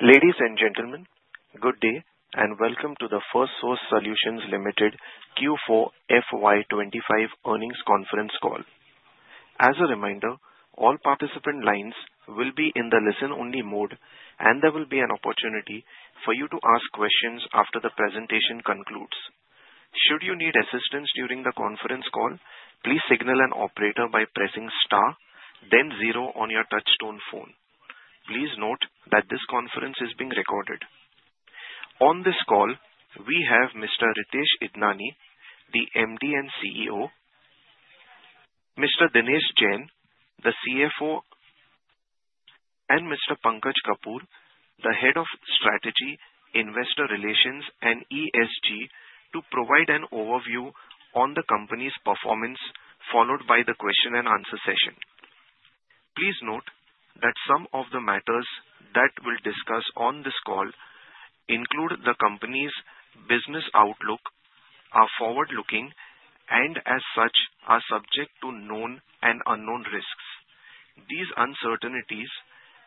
Ladies and gentlemen, good day and welcome to the Firstsource Solutions Limited Q4 FY 2025 earnings conference call. As a reminder, all participant lines will be in the listen-only mode, and there will be an opportunity for you to ask questions after the presentation concludes. Should you need assistance during the conference call, please signal an operator by pressing star, then zero on your touchstone phone. Please note that this conference is being recorded. On this call, we have Mr. Ritesh Idnani, the MD and CEO; Mr. Dinesh Jain, the CFO; and Mr. Pankaj Kapoor, the Head of Strategy, Investor Relations, and ESG, to provide an overview on the company's performance, followed by the question-and-answer session. Please note that some of the matters that we'll discuss on this call include the company's business outlook, are forward-looking, and as such, are subject to known and unknown risks. These uncertainties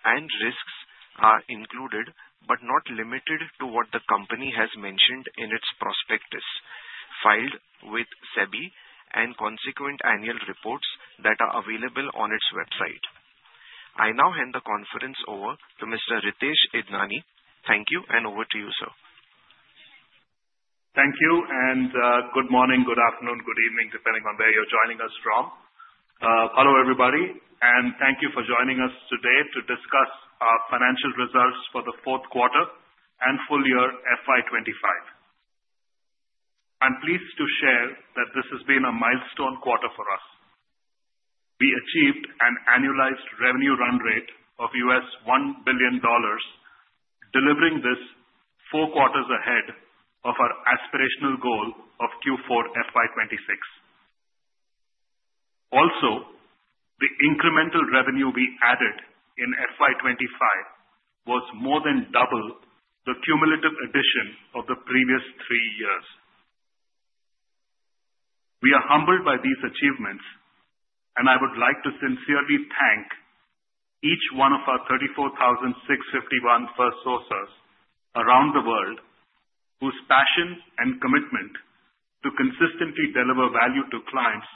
and risks are included but not limited to what the company has mentioned in its prospectus, filed with SEBI, and consequent annual reports that are available on its website. I now hand the conference over to Mr. Ritesh Idnani. Thank you, and over to you, sir. Thank you, and good morning, good afternoon, good evening, depending on where you're joining us from. Hello, everybody, and thank you for joining us today to discuss our financial results for the fourth quarter and full year FY 2025. I'm pleased to share that this has been a milestone quarter for us. We achieved an annualized revenue run rate of $1 billion, delivering this four quarters ahead of our aspirational goal of Q4 FY 2026. Also, the incremental revenue we added in FY 2025 was more than double the cumulative addition of the previous three years. We are humbled by these achievements, and I would like to sincerely thank each one of our 34,651 Firstsource around the world whose passion and commitment to consistently deliver value to clients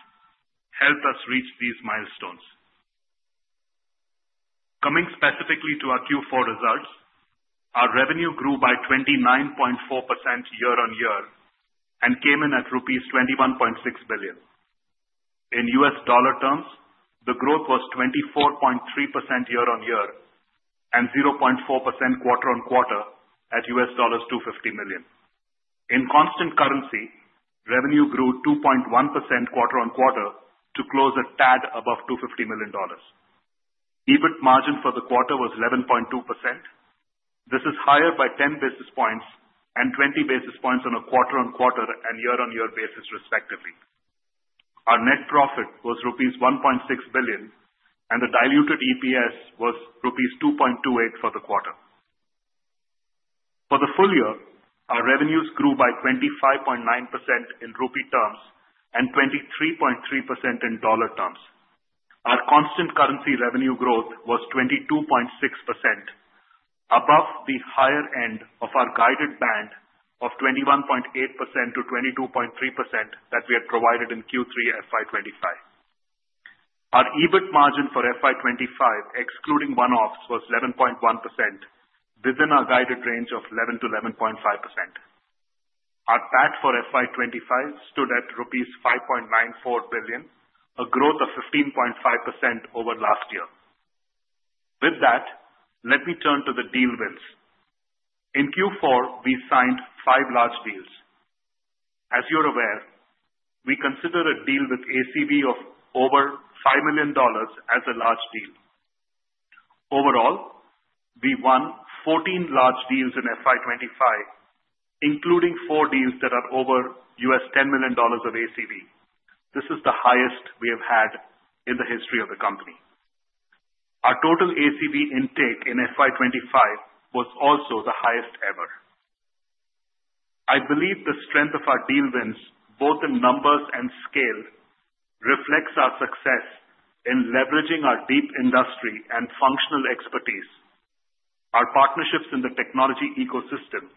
helped us reach these milestones. Coming specifically to our Q4 results, our revenue grew by 29.4% year-on-year and came in at rupees 21.6 billion. In US dollar terms, the growth was 24.3% year-on-year and 0.4% quarter-on-quarter at $250 million. In constant currency, revenue grew 2.1% quarter-on-quarter to close a tad above $250 million. EBIT margin for the quarter was 11.2%. This is higher by 10 basis points and 20 basis points on a quarter-on-quarter and year-on-year basis, respectively. Our net profit was rupees 1.6 billion, and the diluted EPS was rupees 2.28 for the quarter. For the full year, our revenues grew by 25.9% in rupee terms and 23.3% in dollar terms. Our constant currency revenue growth was 22.6%, above the higher end of our guided band of 21.8%-22.3% that we had provided in Q3 FY 2025. Our EBIT margin for FY 2025, excluding one-offs, was 11.1%, within our guided range of 11-11.5%. Our PAC for FY 2025 stood at rupees 5.94 billion, a growth of 15.5% over last year. With that, let me turn to the deal wins. In Q4, we signed five large deals. As you're aware, we consider a deal with ACV of over $5 million as a large deal. Overall, we won 14 large deals in FY 2025, including four deals that are over $10 million of ACV. This is the highest we have had in the history of the company. Our total ACV intake in FY 2025 was also the highest ever. I believe the strength of our deal wins, both in numbers and scale, reflects our success in leveraging our deep industry and functional expertise, our partnerships in the technology ecosystem,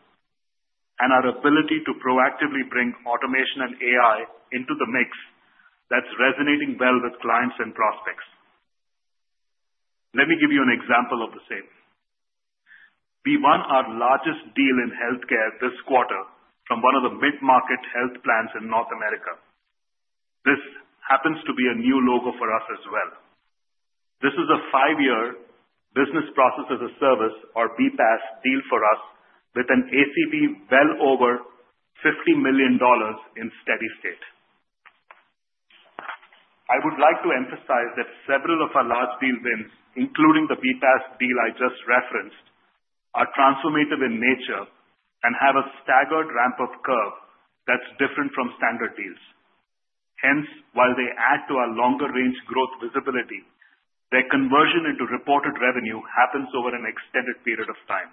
and our ability to proactively bring automation and AI into the mix that's resonating well with clients and prospects. Let me give you an example of the same. We won our largest deal in healthcare this quarter from one of the mid-market health plans in North America. This happens to be a new logo for us as well. This is a five-year business process as a service, or BPAS, deal for us with an ACV well over $50 million in steady state. I would like to emphasize that several of our large deal wins, including the BPAS deal I just referenced, are transformative in nature and have a staggered ramp-up curve that is different from standard deals. Hence, while they add to our longer-range growth visibility, their conversion into reported revenue happens over an extended period of time.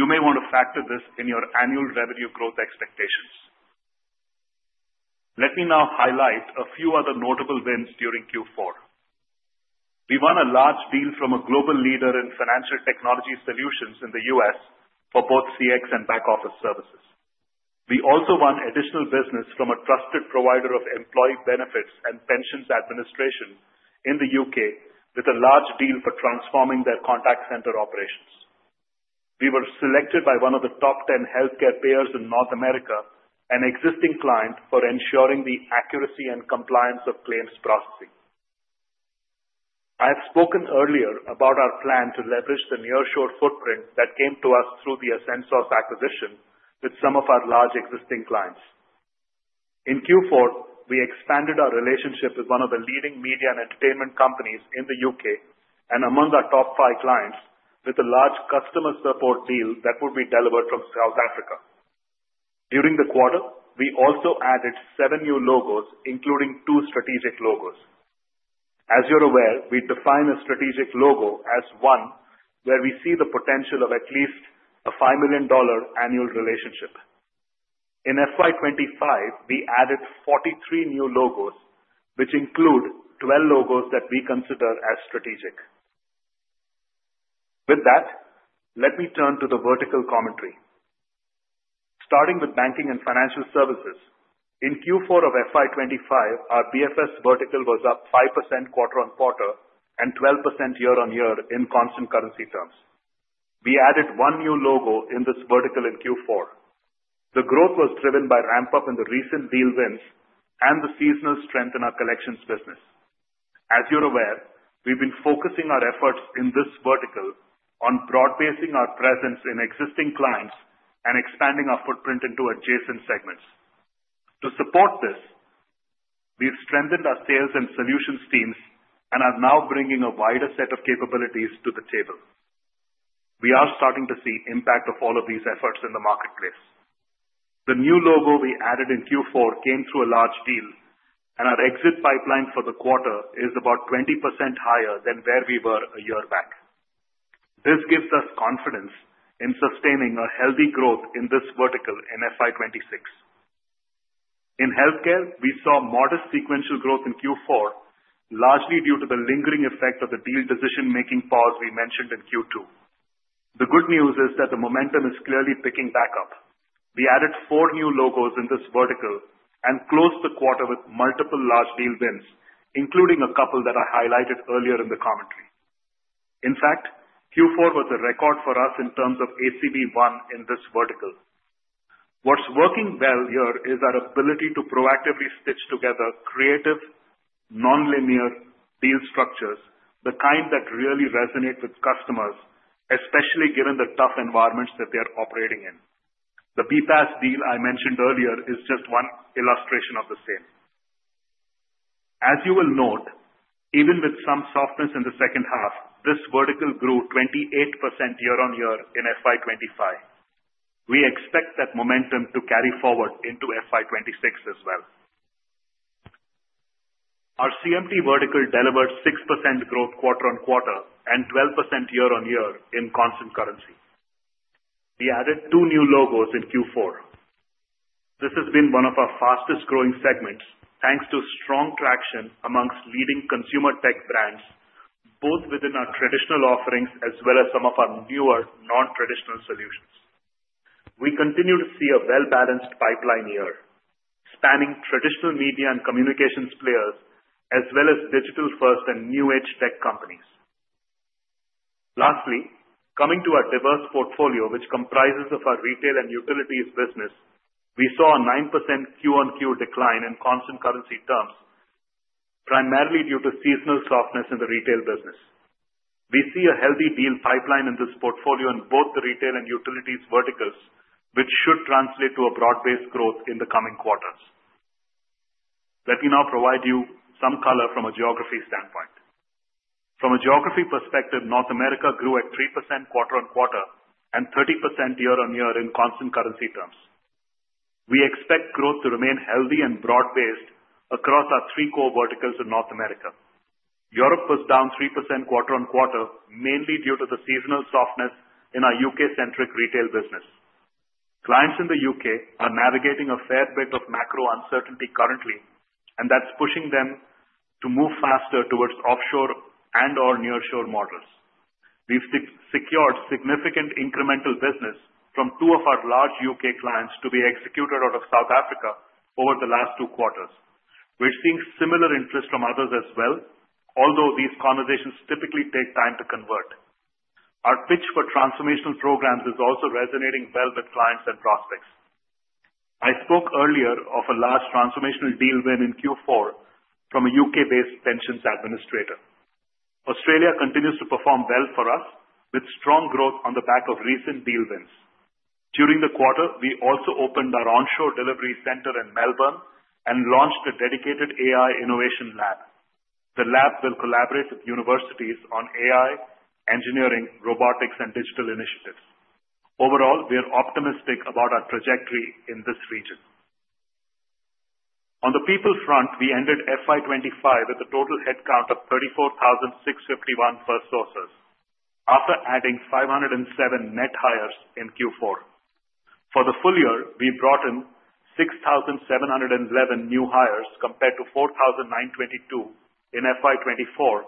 You may want to factor this in your annual revenue growth expectations. Let me now highlight a few other notable wins during Q4. We won a large deal from a global leader in financial technology solutions in the U.S. for both CX and back office services. We also won additional business from a trusted provider of employee benefits and pensions administration in the U.K. with a large deal for transforming their contact center operations. We were selected by one of the top 10 healthcare payers in North America and existing clients for ensuring the accuracy and compliance of claims processing. I have spoken earlier about our plan to leverage the nearshore footprint that came to us through the Ascensos acquisition with some of our large existing clients. In Q4, we expanded our relationship with one of the leading media and entertainment companies in the U.K. and among our top five clients with a large customer support deal that would be delivered from South Africa. During the quarter, we also added seven new logos, including two strategic logos. As you're aware, we define a strategic logo as one where we see the potential of at least $5 million annual relationship. In FY 2025, we added 43 new logos, which include 12 logos that we consider as strategic. With that, let me turn to the vertical commentary. Starting with banking and financial services, in Q4 of FY 2025, our BFS vertical was up 5% quarter-on-quarter and 12% year-on-year in constant currency terms. We added one new logo in this vertical in Q4. The growth was driven by ramp-up in the recent deal wins and the seasonal strength in our collections business. As you're aware, we've been focusing our efforts in this vertical on broad-basing our presence in existing clients and expanding our footprint into adjacent segments. To support this, we've strengthened our sales and solutions teams and are now bringing a wider set of capabilities to the table. We are starting to see the impact of all of these efforts in the marketplace. The new logo we added in Q4 came through a large deal, and our exit pipeline for the quarter is about 20% higher than where we were a year back. This gives us confidence in sustaining a healthy growth in this vertical in FY 2026. In healthcare, we saw modest sequential growth in Q4, largely due to the lingering effect of the deal decision-making pause we mentioned in Q2. The good news is that the momentum is clearly picking back up. We added four new logos in this vertical and closed the quarter with multiple large deal wins, including a couple that I highlighted earlier in the commentary. In fact, Q4 was a record for us in terms of ACV won in this vertical. What's working well here is our ability to proactively stitch together creative, non-linear deal structures, the kind that really resonate with customers, especially given the tough environments that they are operating in. The BPAS deal I mentioned earlier is just one illustration of the same. As you will note, even with some softness in the second half, this vertical grew 28% year-on-year in FY 2025. We expect that momentum to carry forward into FY 2026 as well. Our CMT vertical delivered 6% growth quarter-on-quarter and 12% year-on-year in constant currency. We added two new logos in Q4. This has been one of our fastest-growing segments thanks to strong traction amongst leading consumer tech brands, both within our traditional offerings as well as some of our newer non-traditional solutions. We continue to see a well-balanced pipeline here, spanning traditional media and communications players as well as digital-first and new-age tech companies. Lastly, coming to our diverse portfolio, which comprises our retail and utilities business, we saw a 9% Q-on-Q decline in constant currency terms, primarily due to seasonal softness in the retail business. We see a healthy deal pipeline in this portfolio in both the retail and utilities verticals, which should translate to broad-based growth in the coming quarters. Let me now provide you some color from a geography standpoint. From a geography perspective, North America grew at 3% quarter-on-quarter and 30% year-on-year in constant currency terms. We expect growth to remain healthy and broad-based across our three core verticals in North America. Europe was down 3% quarter-on-quarter, mainly due to the seasonal softness in our U.K.-centric retail business. Clients in the U.K. are navigating a fair bit of macro uncertainty currently, and that's pushing them to move faster towards offshore and/or nearshore models. We've secured significant incremental business from two of our large U.K. clients to be executed out of South Africa over the last two quarters. We're seeing similar interest from others as well, although these conversations typically take time to convert. Our pitch for transformational programs is also resonating well with clients and prospects. I spoke earlier of a large transformational deal win in Q4 from a U.K.-based pensions administrator. Australia continues to perform well for us with strong growth on the back of recent deal wins. During the quarter, we also opened our onshore delivery center in Melbourne and launched a dedicated AI innovation lab. The lab will collaborate with universities on AI, engineering, robotics, and digital initiatives. Overall, we are optimistic about our trajectory in this region. On the people front, we ended FY 2025 with a total headcount of 34,651 Firstsources after adding 507 net hires in Q4. For the full year, we brought in 6,711 new hires compared to 4,922 in FY 2024,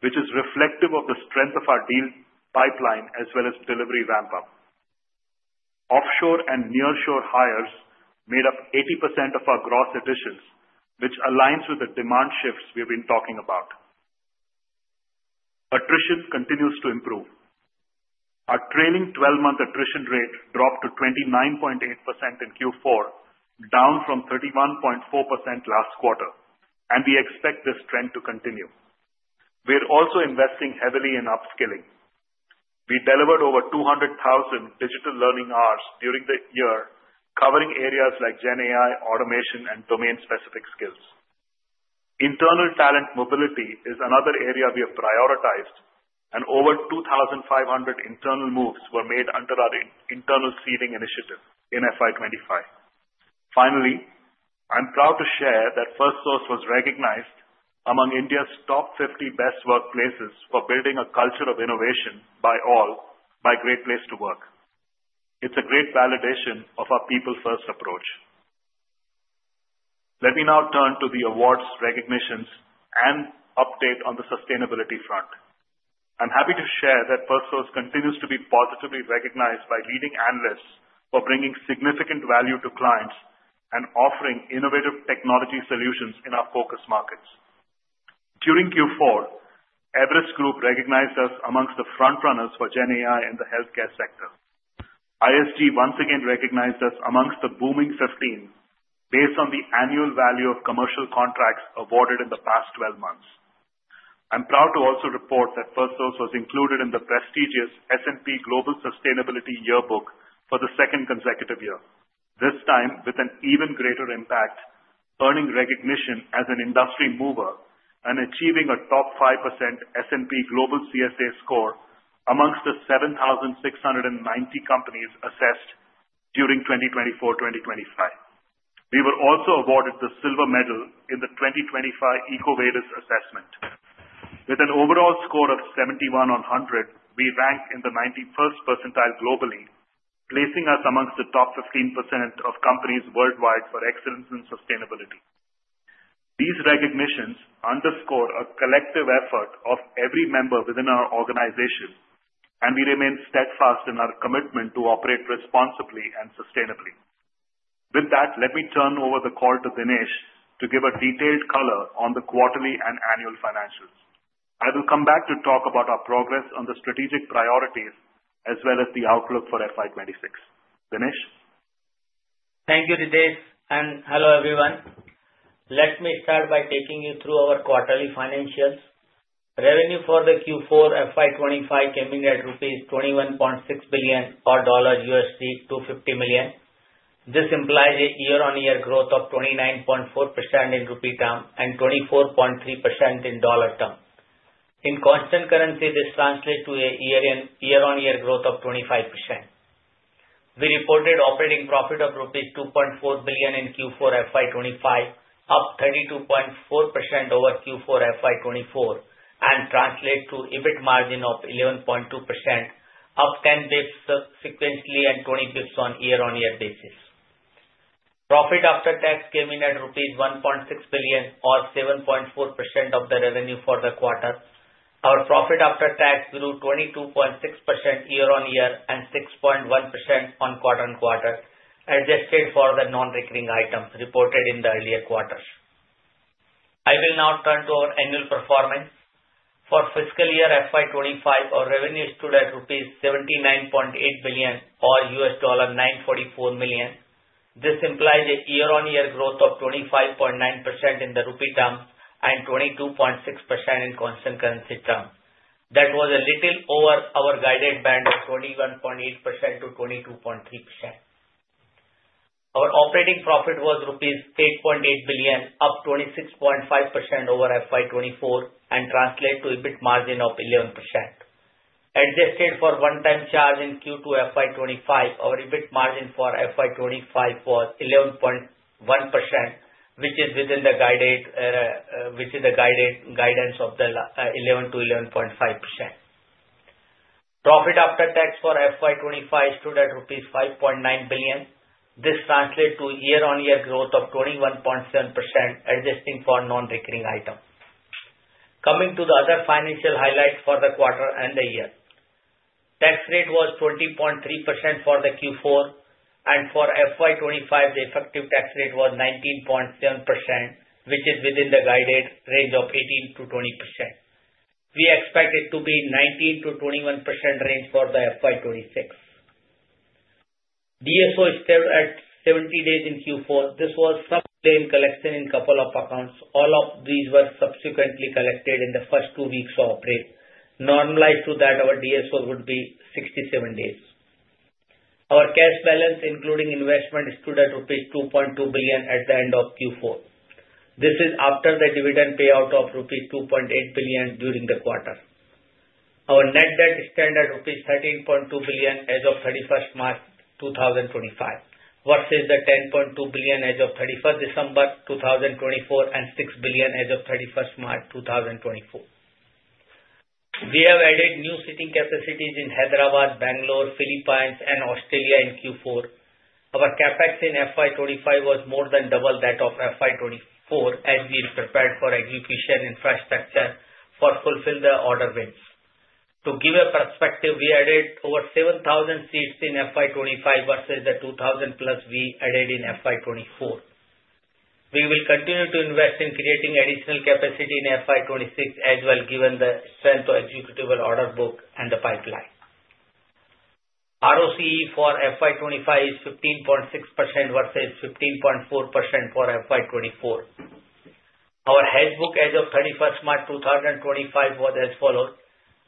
which is reflective of the strength of our deal pipeline as well as delivery ramp-up. Offshore and nearshore hires made up 80% of our gross additions, which aligns with the demand shifts we've been talking about. Attrition continues to improve. Our trailing 12-month attrition rate dropped to 29.8% in Q4, down from 31.4% last quarter, and we expect this trend to continue. We're also investing heavily in upskilling. We delivered over 200,000 digital learning hours during the year, covering areas like GenAI, automation, and domain-specific skills. Internal talent mobility is another area we have prioritized, and over 2,500 internal moves were made under our internal seeding initiative in FY 2025. Finally, I'm proud to share that Firstsource was recognized among India's top 50 best workplaces for building a culture of innovation by all, by Great Place to Work. It's a great validation of our people-first approach. Let me now turn to the awards, recognitions, and update on the sustainability front. I'm happy to share that Firstsource continues to be positively recognized by leading analysts for bringing significant value to clients and offering innovative technology solutions in our focus markets. During Q4, Everest Group recognized us amongst the frontrunners for GenAI in the healthcare sector. ISG once again recognized us amongst the Booming 15 based on the annual value of commercial contracts awarded in the past 12 months. I'm proud to also report that Firstsource was included in the prestigious S&P Global Sustainability Yearbook for the second consecutive year, this time with an even greater impact, earning recognition as an industry mover and achieving a top 5% S&P Global CSA score amongst the 7,690 companies assessed during 2024-2025. We were also awarded the silver medal in the 2025 EcoVadis assessment. With an overall score of 71 on 100, we ranked in the 91st percentile globally, placing us amongst the top 15% of companies worldwide for excellence in sustainability. These recognitions underscore a collective effort of every member within our organization, and we remain steadfast in our commitment to operate responsibly and sustainably. With that, let me turn over the call to Dinesh to give a detailed color on the quarterly and annual financials. I will come back to talk about our progress on the strategic priorities as well as the outlook for FY 2026. Dinesh? Thank you, Ritesh. Hello, everyone. Let me start by taking you through our quarterly financials. Revenue for Q4 FY 2025 came in at INR 21.6 billion or $250 million. This implies a year-on-year growth of 29.4% in rupee terms and 24.3% in dollar terms. In constant currency, this translates to a year-on-year growth of 25%. We reported operating profit of rupees 2.4 billion in Q4 FY 2025, up 32.4% over Q4 FY 2024, and translated to EBIT margin of 11.2%, up 10 basis points sequentially and 20 basis points on a year-on-year basis. Profit after tax came in at rupees 1.6 billion or 7.4% of the revenue for the quarter. Our profit after tax grew 22.6% year-on-year and 6.1% quarter-on-quarter, adjusted for the non-recurring items reported in the earlier quarters. I will now turn to our annual performance. For fiscal year 2025, our revenue stood at 79.8 billion rupees or $944 million. This implies a year-on-year growth of 25.9% in the rupee term and 22.6% in constant currency term. That was a little over our guided band of 21.8%-22.3%. Our operating profit was rupees 8.8 billion, up 26.5% over 2024, and translated to EBIT margin of 11%. Adjusted for one-time charge in Q2 2025, our EBIT margin for 2025 was 11.1%, which is within the guidance of 11-11.5%. Profit after tax for 2025 stood at 5.9 billion rupees. This translates to year-on-year growth of 21.7%, adjusting for non-recurring items. Coming to the other financial highlights for the quarter and the year, tax rate was 20.3% for Q4, and for 2025, the effective tax rate was 19.7%, which is within the guided range of 18-20%. We expect it to be in the 19-21% range for FY 2026. DSO is still at 70 days in Q4. This was some claim collection in a couple of accounts. All of these were subsequently collected in the first two weeks of operating. Normalized to that, our DSO would be 67 days. Our cash balance, including investment, stood at rupees 2.2 billion at the end of Q4. This is after the dividend payout of rupees 2.8 billion during the quarter. Our net debt is still at rupees 13.2 billion as of 31st March 2025, versus the 10.2 billion as of 31st December 2024 and 6 billion as of 31st March 2024. We have added new seating capacities in Hyderabad, Bangalore, Philippines, and Australia in Q4. Our CapEx in FY2025 was more than double that of FY 2024 as we prepared for execution infrastructure for fulfilling the order wins. To give a perspective, we added over 7,000 seats in FY 2025 versus the 2,000+ we added in FY 2024. We will continue to invest in creating additional capacity in FY 2026 as well, given the strength of executable order book and the pipeline. ROCE for FY 2025 is 15.6% versus 15.4% for FY 2024. Our hedge book as of 31st March 2025 was as follows.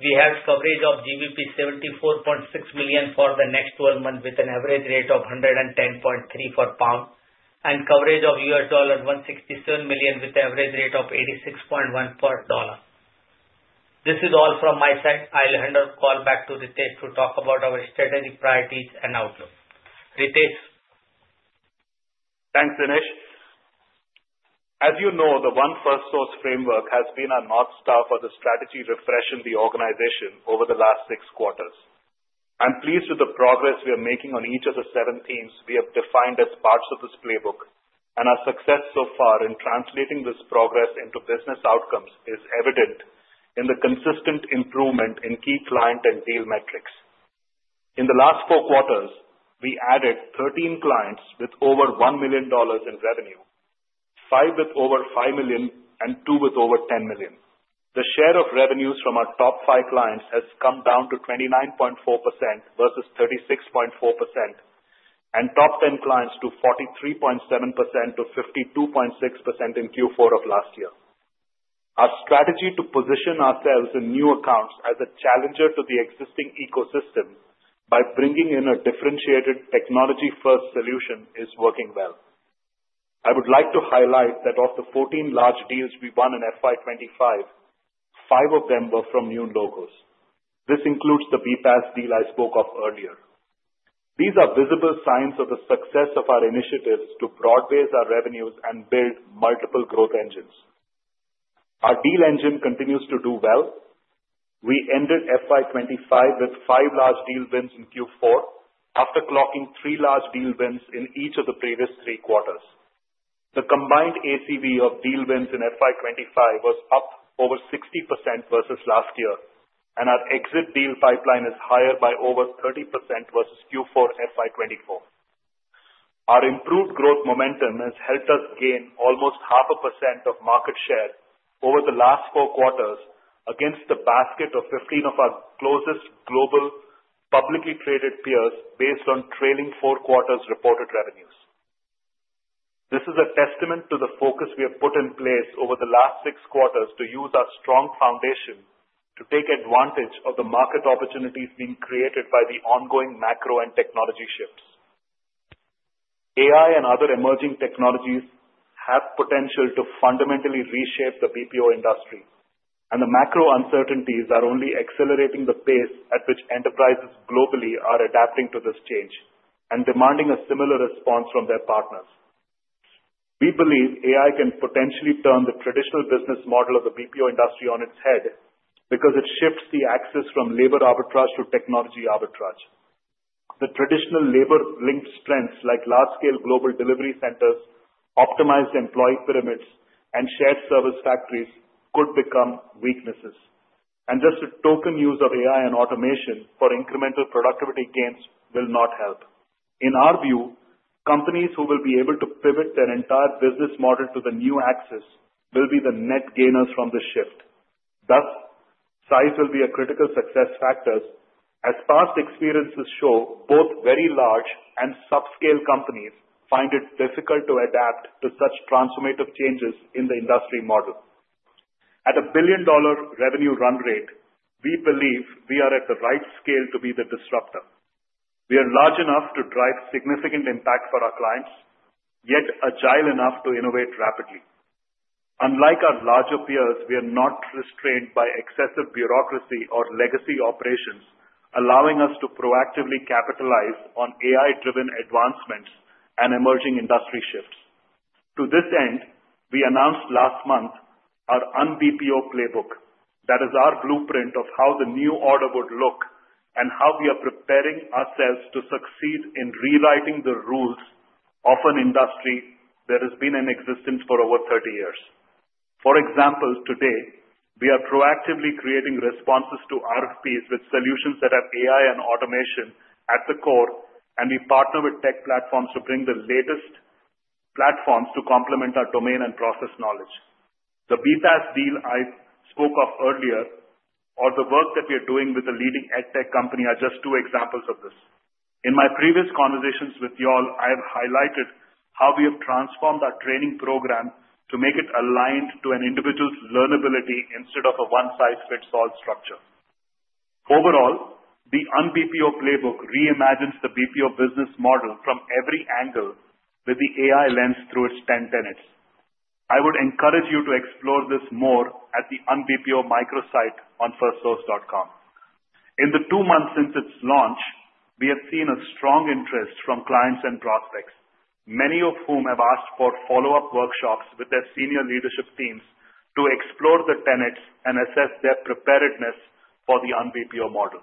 We have coverage of GBP 74.6 million for the next 12 months with an average rate of 110.3 per pound and coverage of $167 million with an average rate of 86.1 per dollar. This is all from my side. I'll hand the call back to Ritesh to talk about our strategic priorities and outlook. Ritesh? Thanks, Dinesh. As you know, the One Firstsource Framework has been a north star for the strategy refresh in the organization over the last six quarters. I'm pleased with the progress we are making on each of the seven themes we have defined as parts of this playbook, and our success so far in translating this progress into business outcomes is evident in the consistent improvement in key client and deal metrics. In the last four quarters, we added 13 clients with over $1 million in revenue, five with over $5 million, and two with over $10 million. The share of revenues from our top five clients has come down to 29.4% versus 36.4%, and top 10 clients to 43.7% from 52.6% in Q4 of last year. Our strategy to position ourselves in new accounts as a challenger to the existing ecosystem by bringing in a differentiated technology-first solution is working well. I would like to highlight that of the 14 large deals we won in FY 2025, five of them were from new logos. This includes the BPAS deal I spoke of earlier. These are visible signs of the success of our initiatives to broad-base our revenues and build multiple growth engines. Our deal engine continues to do well. We ended FY 2025 with five large deal wins in Q4 after clocking three large deal wins in each of the previous three quarters. The combined ACV of deal wins in FY 2025 was up over 60% versus last year, and our exit deal pipeline is higher by over 30% versus Q4 FY 2024. Our improved growth momentum has helped us gain almost half a percent of market share over the last four quarters against the basket of 15 of our closest global publicly traded peers based on trailing four quarters reported revenues. This is a testament to the focus we have put in place over the last six quarters to use our strong foundation to take advantage of the market opportunities being created by the ongoing macro and technology shifts. AI and other emerging technologies have potential to fundamentally reshape the BPO industry, and the macro uncertainties are only accelerating the pace at which enterprises globally are adapting to this change and demanding a similar response from their partners. We believe AI can potentially turn the traditional business model of the BPO industry on its head because it shifts the access from labor arbitrage to technology arbitrage. The traditional labor-linked strengths like large-scale global delivery centers, optimized employee pyramids, and shared service factories could become weaknesses. Just a token use of AI and automation for incremental productivity gains will not help. In our view, companies who will be able to pivot their entire business model to the new axis will be the net gainers from this shift. Thus, size will be a critical success factor as past experiences show both very large and subscale companies find it difficult to adapt to such transformative changes in the industry model. At a $1 billion revenue run rate, we believe we are at the right scale to be the disruptor. We are large enough to drive significant impact for our clients, yet agile enough to innovate rapidly. Unlike our larger peers, we are not restrained by excessive bureaucracy or legacy operations, allowing us to proactively capitalize on AI-driven advancements and emerging industry shifts. To this end, we announced last month our un-BPO playbook. That is our blueprint of how the new order would look and how we are preparing ourselves to succeed in rewriting the rules of an industry that has been in existence for over 30 years. For example, today, we are proactively creating responses to RFPs with solutions that have AI and automation at the core, and we partner with tech platforms to bring the latest platforms to complement our domain and process knowledge. The BPAS deal I spoke of earlier, or the work that we are doing with the leading edtech company, are just two examples of this. In my previous conversations with you all, I have highlighted how we have transformed our training program to make it aligned to an individual's learnability instead of a one-size-fits-all structure. Overall, the un-BPO playbook reimagines the BPO business model from every angle with the AI lens through its 10 tenets. I would encourage you to explore this more at the un-BPO microsite on firstsource.com. In the two months since its launch, we have seen a strong interest from clients and prospects, many of whom have asked for follow-up workshops with their senior leadership teams to explore the tenets and assess their preparedness for the un-BPO model.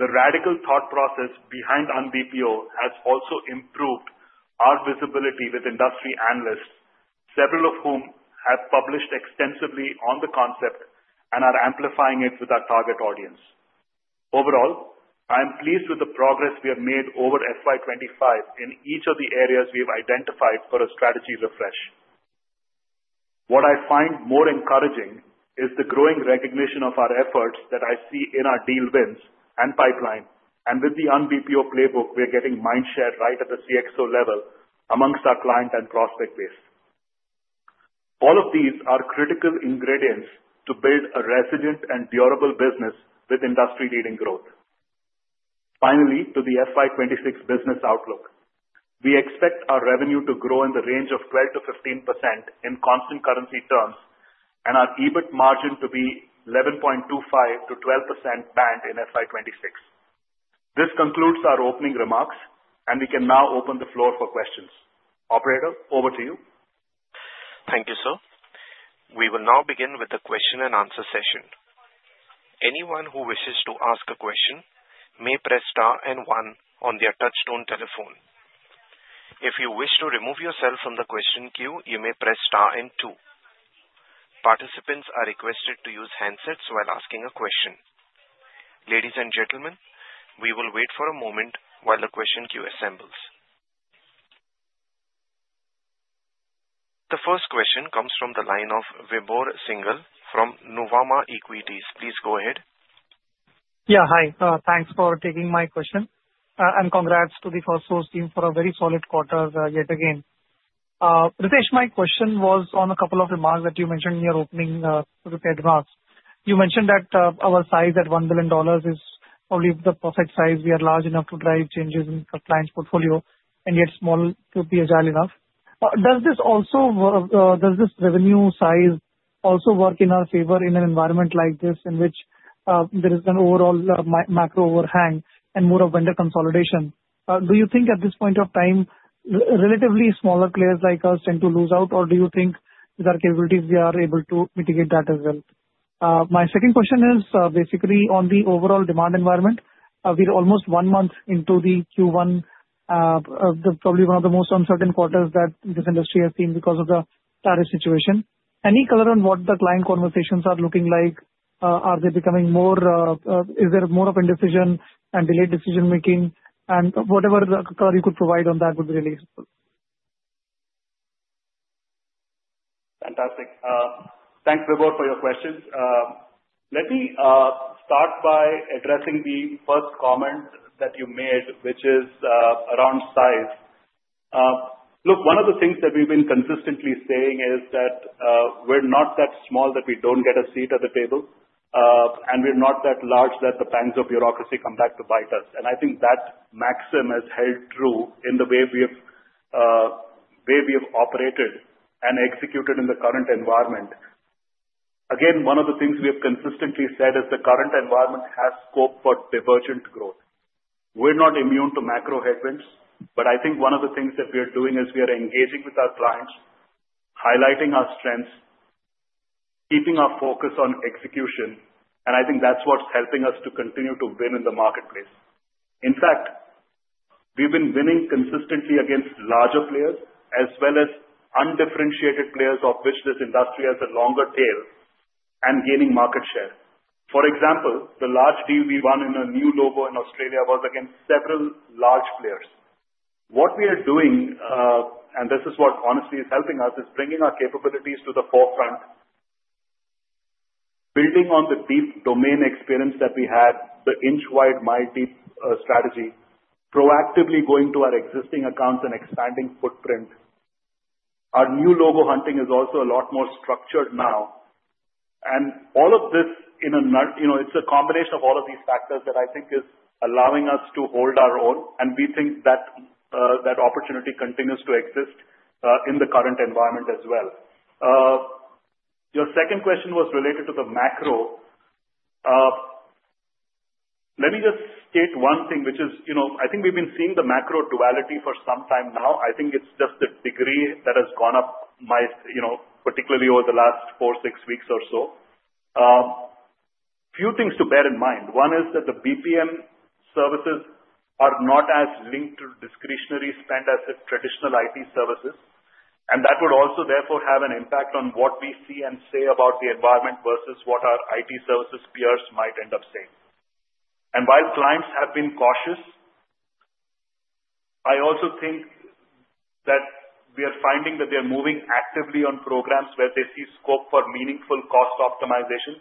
The radical thought process behind un-BPO has also improved our visibility with industry analysts, several of whom have published extensively on the concept and are amplifying it with our target audience. Overall, I am pleased with the progress we have made over FY 2025 in each of the areas we have identified for a strategy refresh. What I find more encouraging is the growing recognition of our efforts that I see in our deal wins and pipeline, and with the un-BPO playbook, we are getting mindshare right at the CXO level amongst our client and prospect base. All of these are critical ingredients to build a resilient and durable business with industry-leading growth. Finally, to the FY 2026 business outlook, we expect our revenue to grow in the range of 12-15% in constant currency terms and our EBIT margin to be in the 11.25-12% band in FY 2026. This concludes our opening remarks, and we can now open the floor for questions. Operator, over to you. Thank you, sir. We will now begin with the question and answer session. Anyone who wishes to ask a question may press star and one on their touchstone telephone. If you wish to remove yourself from the question queue, you may press star and two. Participants are requested to use handsets while asking a question. Ladies and gentlemen, we will wait for a moment while the question queue assembles. The first question comes from the line of Vibhor Singhal from Nuvama Equities. Please go ahead. Yeah, hi. Thanks for taking my question. Congrats to the Firstsource team for a very solid quarter yet again. Ritesh, my question was on a couple of remarks that you mentioned in your opening remarks. You mentioned that our size at $1 billion is probably the perfect size. We are large enough to drive changes in our client's portfolio and yet small to be agile enough. Does this revenue size also work in our favor in an environment like this in which there is an overall macro overhang and more of vendor consolidation? Do you think at this point of time, relatively smaller players like us tend to lose out, or do you think with our capabilities, we are able to mitigate that as well? My second question is basically on the overall demand environment. We are almost one month into the Q1, probably one of the most uncertain quarters that this industry has seen because of the tariff situation. Any color on what the client conversations are looking like? Are they becoming more? Is there more of indecision and delayed decision-making? Whatever color you could provide on that would be really helpful. Fantastic. Thanks, Vibhor, for your questions. Let me start by addressing the first comment that you made, which is around size. Look, one of the things that we've been consistently saying is that we're not that small that we don't get a seat at the table, and we're not that large that the pangs of bureaucracy come back to bite us. I think that maxim has held true in the way we have operated and executed in the current environment. Again, one of the things we have consistently said is the current environment has scope for divergent growth. We're not immune to macro headwinds, but I think one of the things that we are doing is we are engaging with our clients, highlighting our strengths, keeping our focus on execution, and I think that's what's helping us to continue to win in the marketplace. In fact, we've been winning consistently against larger players as well as undifferentiated players of which this industry has a longer tail and gaining market share. For example, the large deal we won in a new logo in Australia was against several large players. What we are doing, and this is what honestly is helping us, is bringing our capabilities to the forefront, building on the deep domain experience that we had, the inch-wide, mile-deep strategy, proactively going to our existing accounts and expanding footprint. Our new logo hunting is also a lot more structured now. All of this in a nutshell, it's a combination of all of these factors that I think is allowing us to hold our own, and we think that opportunity continues to exist in the current environment as well. Your second question was related to the macro. Let me just state one thing, which is I think we've been seeing the macro duality for some time now. I think it's just the degree that has gone up, particularly over the last four, six weeks or so. A few things to bear in mind. One is that the BPM services are not as linked to discretionary spend as the traditional IT services, and that would also therefore have an impact on what we see and say about the environment versus what our IT services peers might end up saying. While clients have been cautious, I also think that we are finding that they are moving actively on programs where they see scope for meaningful cost optimization,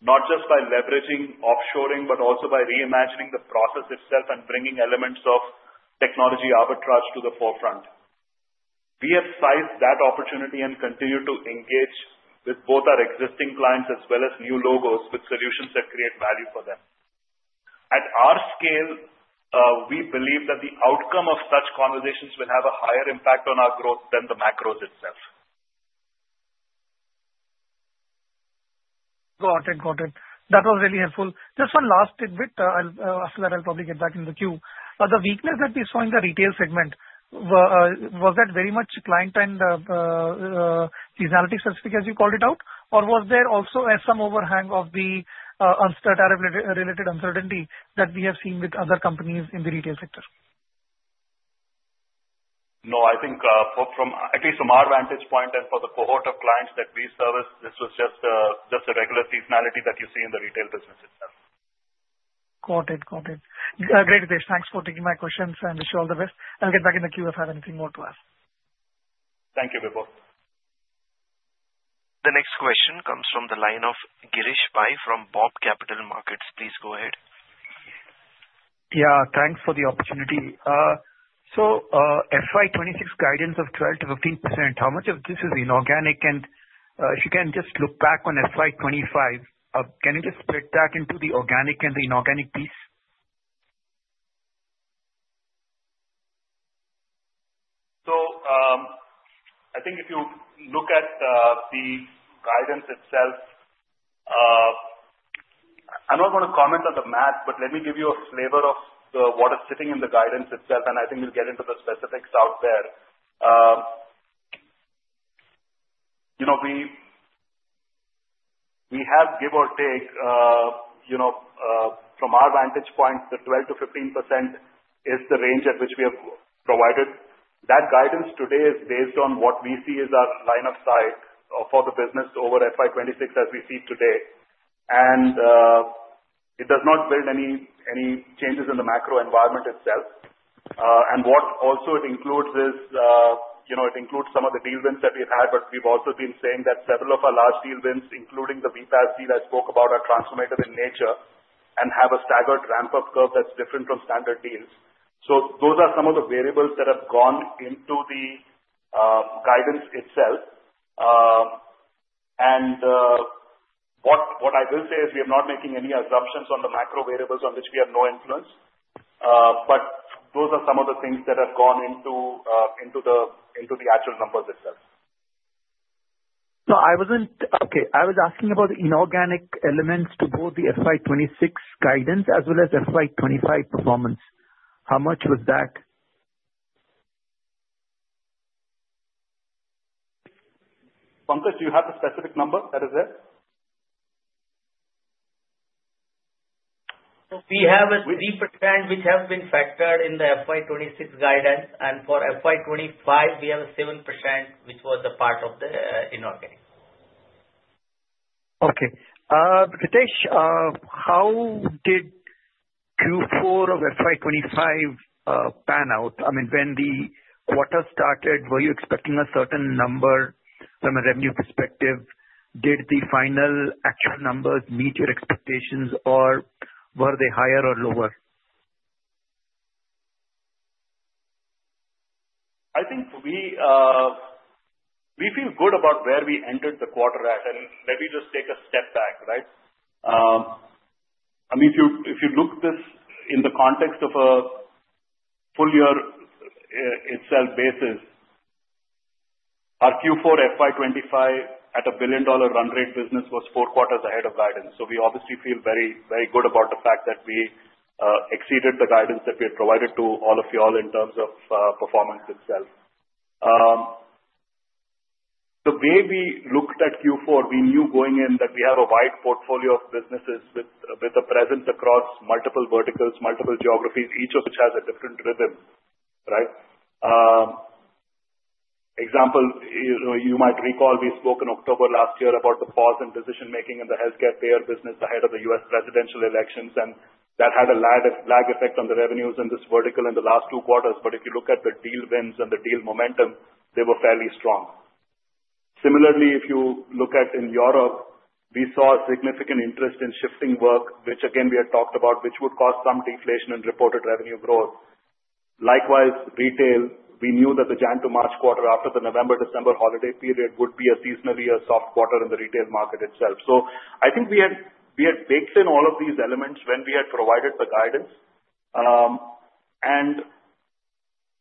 not just by leveraging offshoring, but also by reimagining the process itself and bringing elements of technology arbitrage to the forefront. We have sized that opportunity and continued to engage with both our existing clients as well as new logos with solutions that create value for them. At our scale, we believe that the outcome of such conversations will have a higher impact on our growth than the macros itself. Got it. Got it. That was really helpful. Just one last tidbit after that, I'll probably get back in the queue. The weakness that we saw in the retail segment, was that very much client and analytics specific, as you called it out, or was there also some overhang of the tariff-related uncertainty that we have seen with other companies in the retail sector? No, I think at least from our vantage point and for the cohort of clients that we service, this was just a regular seasonality that you see in the retail business itself. Got it. Got it. Great, Ritesh. Thanks for taking my questions, and wish you all the best. I'll get back in the queue if I have anything more to ask. Thank you, Vibhor. The next question comes from the line of Girish Pai from Bob Capital Markets. Please go ahead. Yeah, thanks for the opportunity. FY 2026 guidance of 12-15%, how much of this is inorganic? If you can just look back on FY 2025, can you just split that into the organic and the inorganic piece? I think if you look at the guidance itself, I'm not going to comment on the math, but let me give you a flavor of what is sitting in the guidance itself, and I think we'll get into the specifics out there. We have, give or take, from our vantage point, the 12-15% is the range at which we have provided. That guidance today is based on what we see as our line of sight for the business over FY 2026 as we see today. It does not build any changes in the macro environment itself. What also it includes is it includes some of the deal wins that we've had, but we've also been saying that several of our large deal wins, including the BPAS deal I spoke about, are transformative in nature and have a staggered ramp-up curve that's different from standard deals. Those are some of the variables that have gone into the guidance itself. What I will say is we are not making any assumptions on the macro variables on which we have no influence, but those are some of the things that have gone into the actual numbers itself. Okay. I was asking about inorganic elements to both the FY 2026 guidance as well as FY 2025 performance. How much was that? Pankaj, do you have the specific number that is there? We have a 3% which has been factored in the FY 2026 guidance, and for FY 2025, we have a 7% which was a part of the inorganic. Okay. Ritesh, how did Q4 of FY 2025 turn out? I mean, when the quarter started, were you expecting a certain number from a revenue perspective? Did the final actual numbers meet your expectations, or were they higher or lower? I think we feel good about where we entered the quarter at. Let me just take a step back, right? I mean, if you look at this in the context of a full year itself basis, our Q4 FY 2025 at a billion-dollar run rate business was four quarters ahead of guidance. We obviously feel very good about the fact that we exceeded the guidance that we had provided to all of you all in terms of performance itself. The way we looked at Q4, we knew going in that we have a wide portfolio of businesses with a presence across multiple verticals, multiple geographies, each of which has a different rhythm, right? Example, you might recall we spoke in October last year about the pause in decision-making in the healthcare payer business ahead of the U.S. presidential elections, and that had a lag effect on the revenues in this vertical in the last two quarters. If you look at the deal wins and the deal momentum, they were fairly strong. Similarly, if you look at in Europe, we saw a significant interest in shifting work, which again, we had talked about, which would cause some deflation in reported revenue growth. Likewise, retail, we knew that the January to March quarter after the November-December holiday period would be a seasonally soft quarter in the retail market itself. I think we had baked in all of these elements when we had provided the guidance.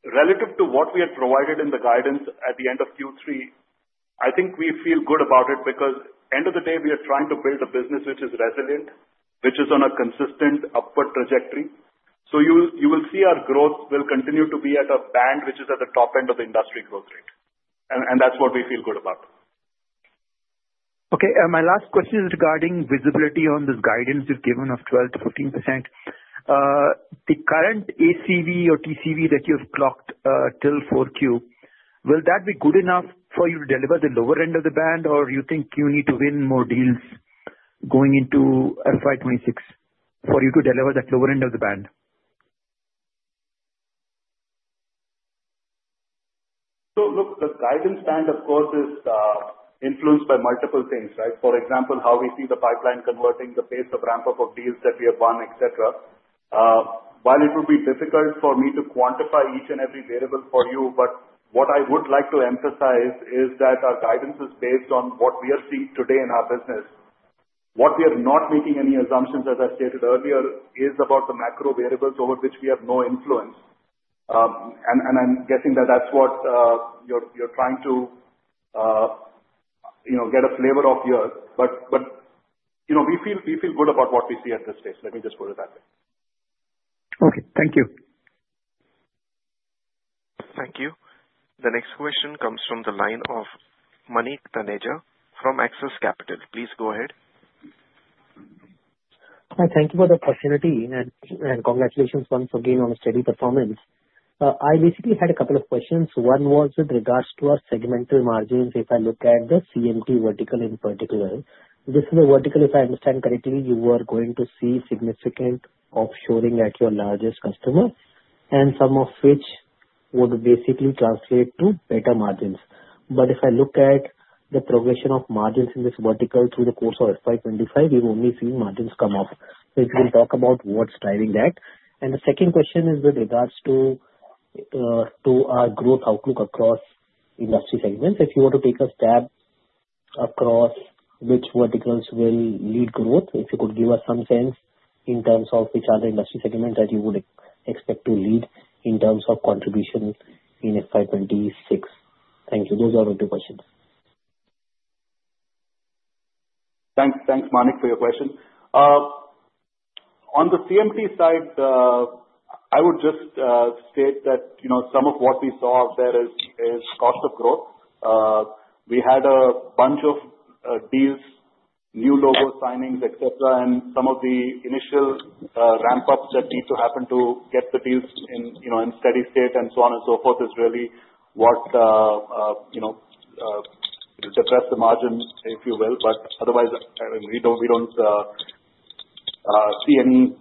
Relative to what we had provided in the guidance at the end of Q3, I think we feel good about it because end of the day, we are trying to build a business which is resilient, which is on a consistent upward trajectory. You will see our growth will continue to be at a band which is at the top end of the industry growth rate. That is what we feel good about. Okay. My last question is regarding visibility on this guidance you have given of 12-15%. The current ACV or TCV that you have clocked till Q4, will that be good enough for you to deliver the lower end of the band, or do you think you need to win more deals going into FY 2026 for you to deliver that lower end of the band? Look, the guidance band, of course, is influenced by multiple things, right? For example, how we see the pipeline converting, the pace of ramp-up of deals that we have won, etcetera. While it would be difficult for me to quantify each and every variable for you, what I would like to emphasize is that our guidance is based on what we are seeing today in our business. What we are not making any assumptions, as I stated earlier, is about the macro variables over which we have no influence. I'm guessing that that's what you're trying to get a flavor of here. We feel good about what we see at this stage. Let me just put it that way. Okay. Thank you. Thank you. The next question comes from the line of Manik Taneja from Axes Capital. Please go ahead. Thank you for the opportunity, and congratulations once again on a steady performance. I basically had a couple of questions. One was with regards to our segmental margins if I look at the CMT vertical in particular. This is a vertical, if I understand correctly, you were going to see significant offshoring at your largest customer, and some of which would basically translate to better margins. If I look at the progression of margins in this vertical through the course of FY 2025, we've only seen margins come off. If you can talk about what's driving that. The second question is with regards to our growth outlook across industry segments. If you were to take a stab across which verticals will lead growth, if you could give us some sense in terms of which other industry segment that you would expect to lead in terms of contribution in FY 2026. Thank you. Those are the two questions. Thanks. Thanks, Manik, for your question. On the CMT side, I would just state that some of what we saw there is cost of growth. We had a bunch of deals, new logo signings, etc., and some of the initial ramp-ups that need to happen to get the deals in steady state and so on and so forth is really what depressed the margin, if you will. Otherwise, we do not see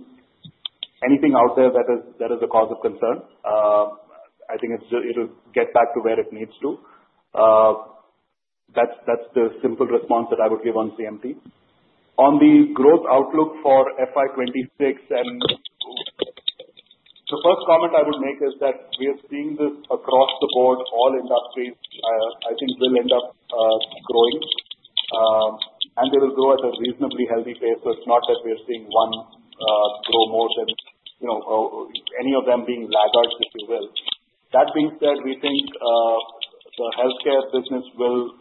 anything out there that is a cause of concern. I think it'll get back to where it needs to. That's the simple response that I would give on CMT. On the growth outlook for FY 2026, the first comment I would make is that we are seeing this across the board. All industries, I think, will end up growing, and they will grow at a reasonably healthy pace. It's not that we're seeing one grow more than any of them being laggards, if you will. That being said, we think the healthcare business will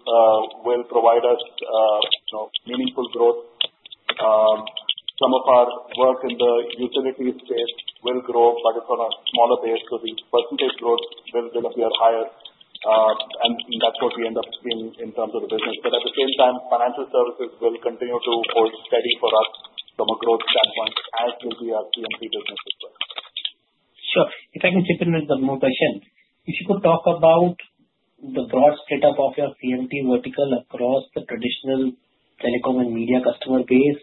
provide us meaningful growth. Some of our work in the utility space will grow, but it's on a smaller base. The percentage growth will appear higher, and that's what we end up seeing in terms of the business. At the same time, financial services will continue to hold steady for us from a growth standpoint, as will be our CMT business as well. Sure. If I can chip in with one more question, if you could talk about the broad split-up of your CMT vertical across the traditional telecom and media customer base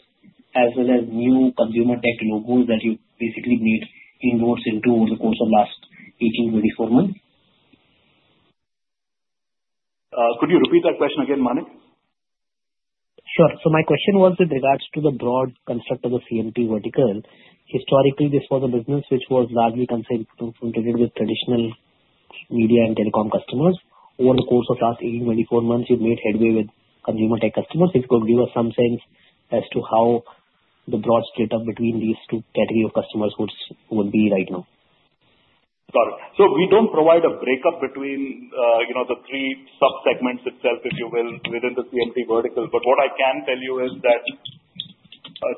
as well as new consumer tech logos that you basically made inwards into the course of the last 18 to 24 months? Could you repeat that question again, Manik? Sure. My question was with regards to the broad construct of the CMT vertical. Historically, this was a business which was largely concentrated with traditional media and telecom customers. Over the course of the last 18 to 24 months, you have made headway with consumer tech customers. If you could give us some sense as to how the broad split-up between these two categories of customers would be right now. Got it. We do not provide a breakup between the three subsegments itself, if you will, within the CMT vertical. What I can tell you is that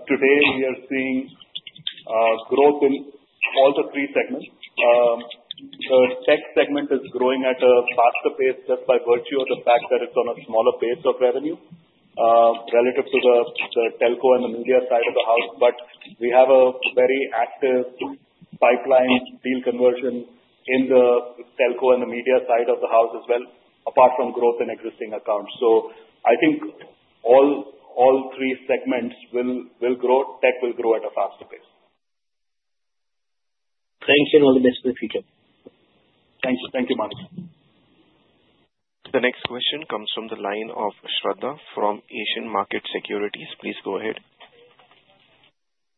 today, we are seeing growth in all the three segments. The tech segment is growing at a faster pace just by virtue of the fact that it's on a smaller base of revenue relative to the telco and the media side of the house. We have a very active pipeline deal conversion in the telco and the media side of the house as well, apart from growth in existing accounts. I think all three segments will grow. Tech will grow at a faster pace. Thanks, and all the best for the future. Thank you. Thank you, Manik. The next question comes from the line of Shradha from Asian Market Securities. Please go ahead.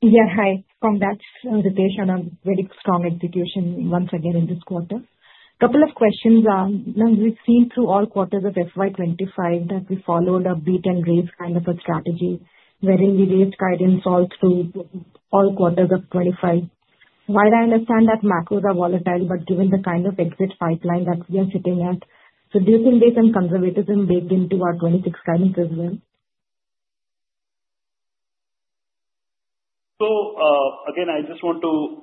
Yeah, hi. Pankaj, Ritesh, very strong execution once again in this quarter. A couple of questions. We've seen through all quarters of FY 2025 that we followed a beat-and-raise kind of a strategy wherein we raised guidance all through all quarters of 2025. While I understand that macros are volatile, given the kind of exit pipeline that we are sitting at, do you think there's some conservatism baked into our 2026 guidance as well? I just want to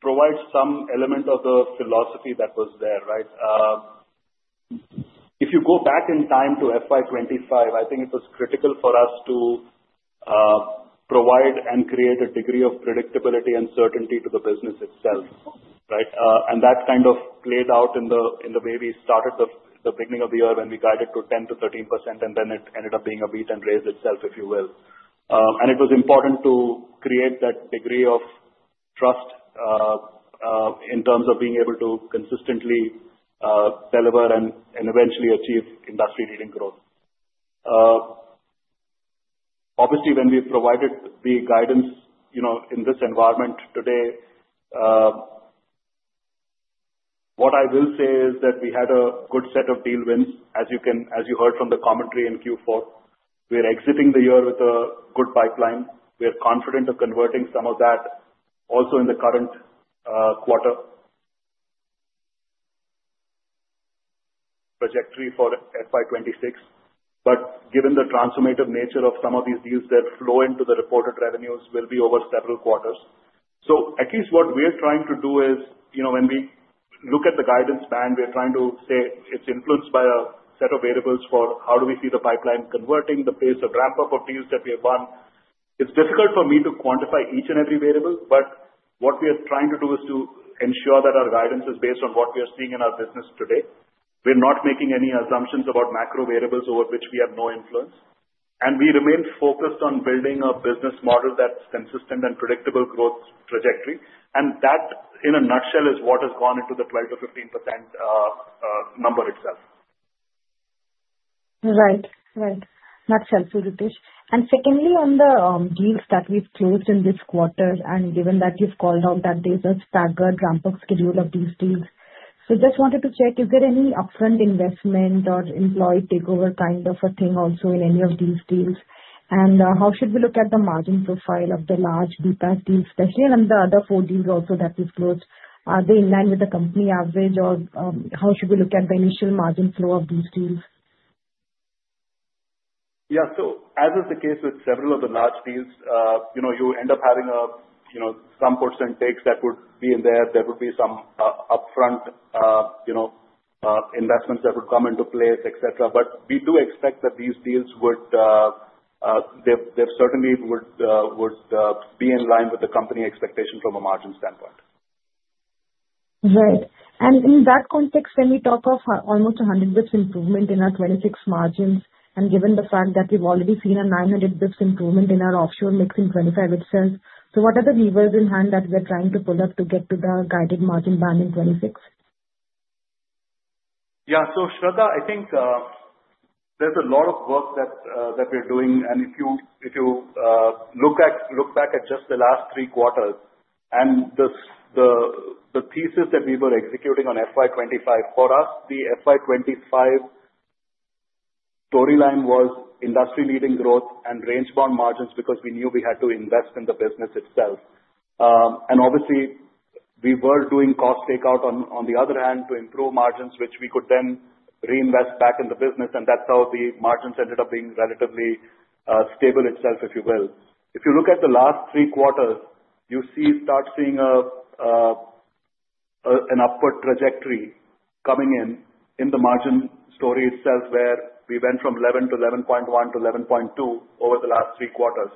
provide some element of the philosophy that was there, right? If you go back in time to FY 2025, I think it was critical for us to provide and create a degree of predictability and certainty to the business itself, right? That kind of played out in the way we started the beginning of the year when we guided to 10-13%, and then it ended up being a beat-and-raise itself, if you will. It was important to create that degree of trust in terms of being able to consistently deliver and eventually achieve industry-leading growth. Obviously, when we provided the guidance in this environment today, what I will say is that we had a good set of deal wins, as you heard from the commentary in Q4. We are exiting the year with a good pipeline. We are confident of converting some of that also in the current quarter trajectory for FY2026. Given the transformative nature of some of these deals, their flow into the reported revenues will be over several quarters. At least what we are trying to do is, when we look at the guidance band, we are trying to say it is influenced by a set of variables for how we see the pipeline converting, the pace of ramp-up of deals that we have won. It's difficult for me to quantify each and every variable, but what we are trying to do is to ensure that our guidance is based on what we are seeing in our business today. We're not making any assumptions about macro variables over which we have no influence. We remain focused on building a business model that's consistent and predictable growth trajectory. That, in a nutshell, is what has gone into the 12-15% number itself. Right. Right. Nutshell through Ritesh. Secondly, on the deals that we've closed in this quarter, and given that you've called out that there's a staggered ramp-up schedule of these deals, just wanted to check, is there any upfront investment or employee takeover kind of a thing also in any of these deals? How should we look at the margin profile of the large BPAS deals, especially on the other four deals also that we've closed? Are they in line with the company average, or how should we look at the initial margin flow of these deals? Yeah. As is the case with several of the large deals, you end up having some % takes that would be in there. There would be some upfront investments that would come into place, et cetera We do expect that these deals would certainly be in line with the company expectation from a margin standpoint. Right. In that context, when we talk of almost 100 basis points improvement in our 2026 margins, and given the fact that we've already seen a 900 basis points improvement in our offshore mix in 2025 itself, what are the levers in hand that we're trying to pull up to get to the guided margin band in 2026? Yeah. Shradha, I think there's a lot of work that we're doing. If you look back at just the last three quarters and the thesis that we were executing on fiscal year 2025, for us, the 2025 storyline was industry-leading growth and range-bound margins because we knew we had to invest in the business itself. Obviously, we were doing cost takeout on the other hand to improve margins, which we could then reinvest back in the business. That's how the margins ended up being relatively stable itself, if you will. If you look at the last three quarters, you start seeing an upward trajectory coming in the margin story itself, where we went from 11 to 11.1 to 11.2 over the last three quarters.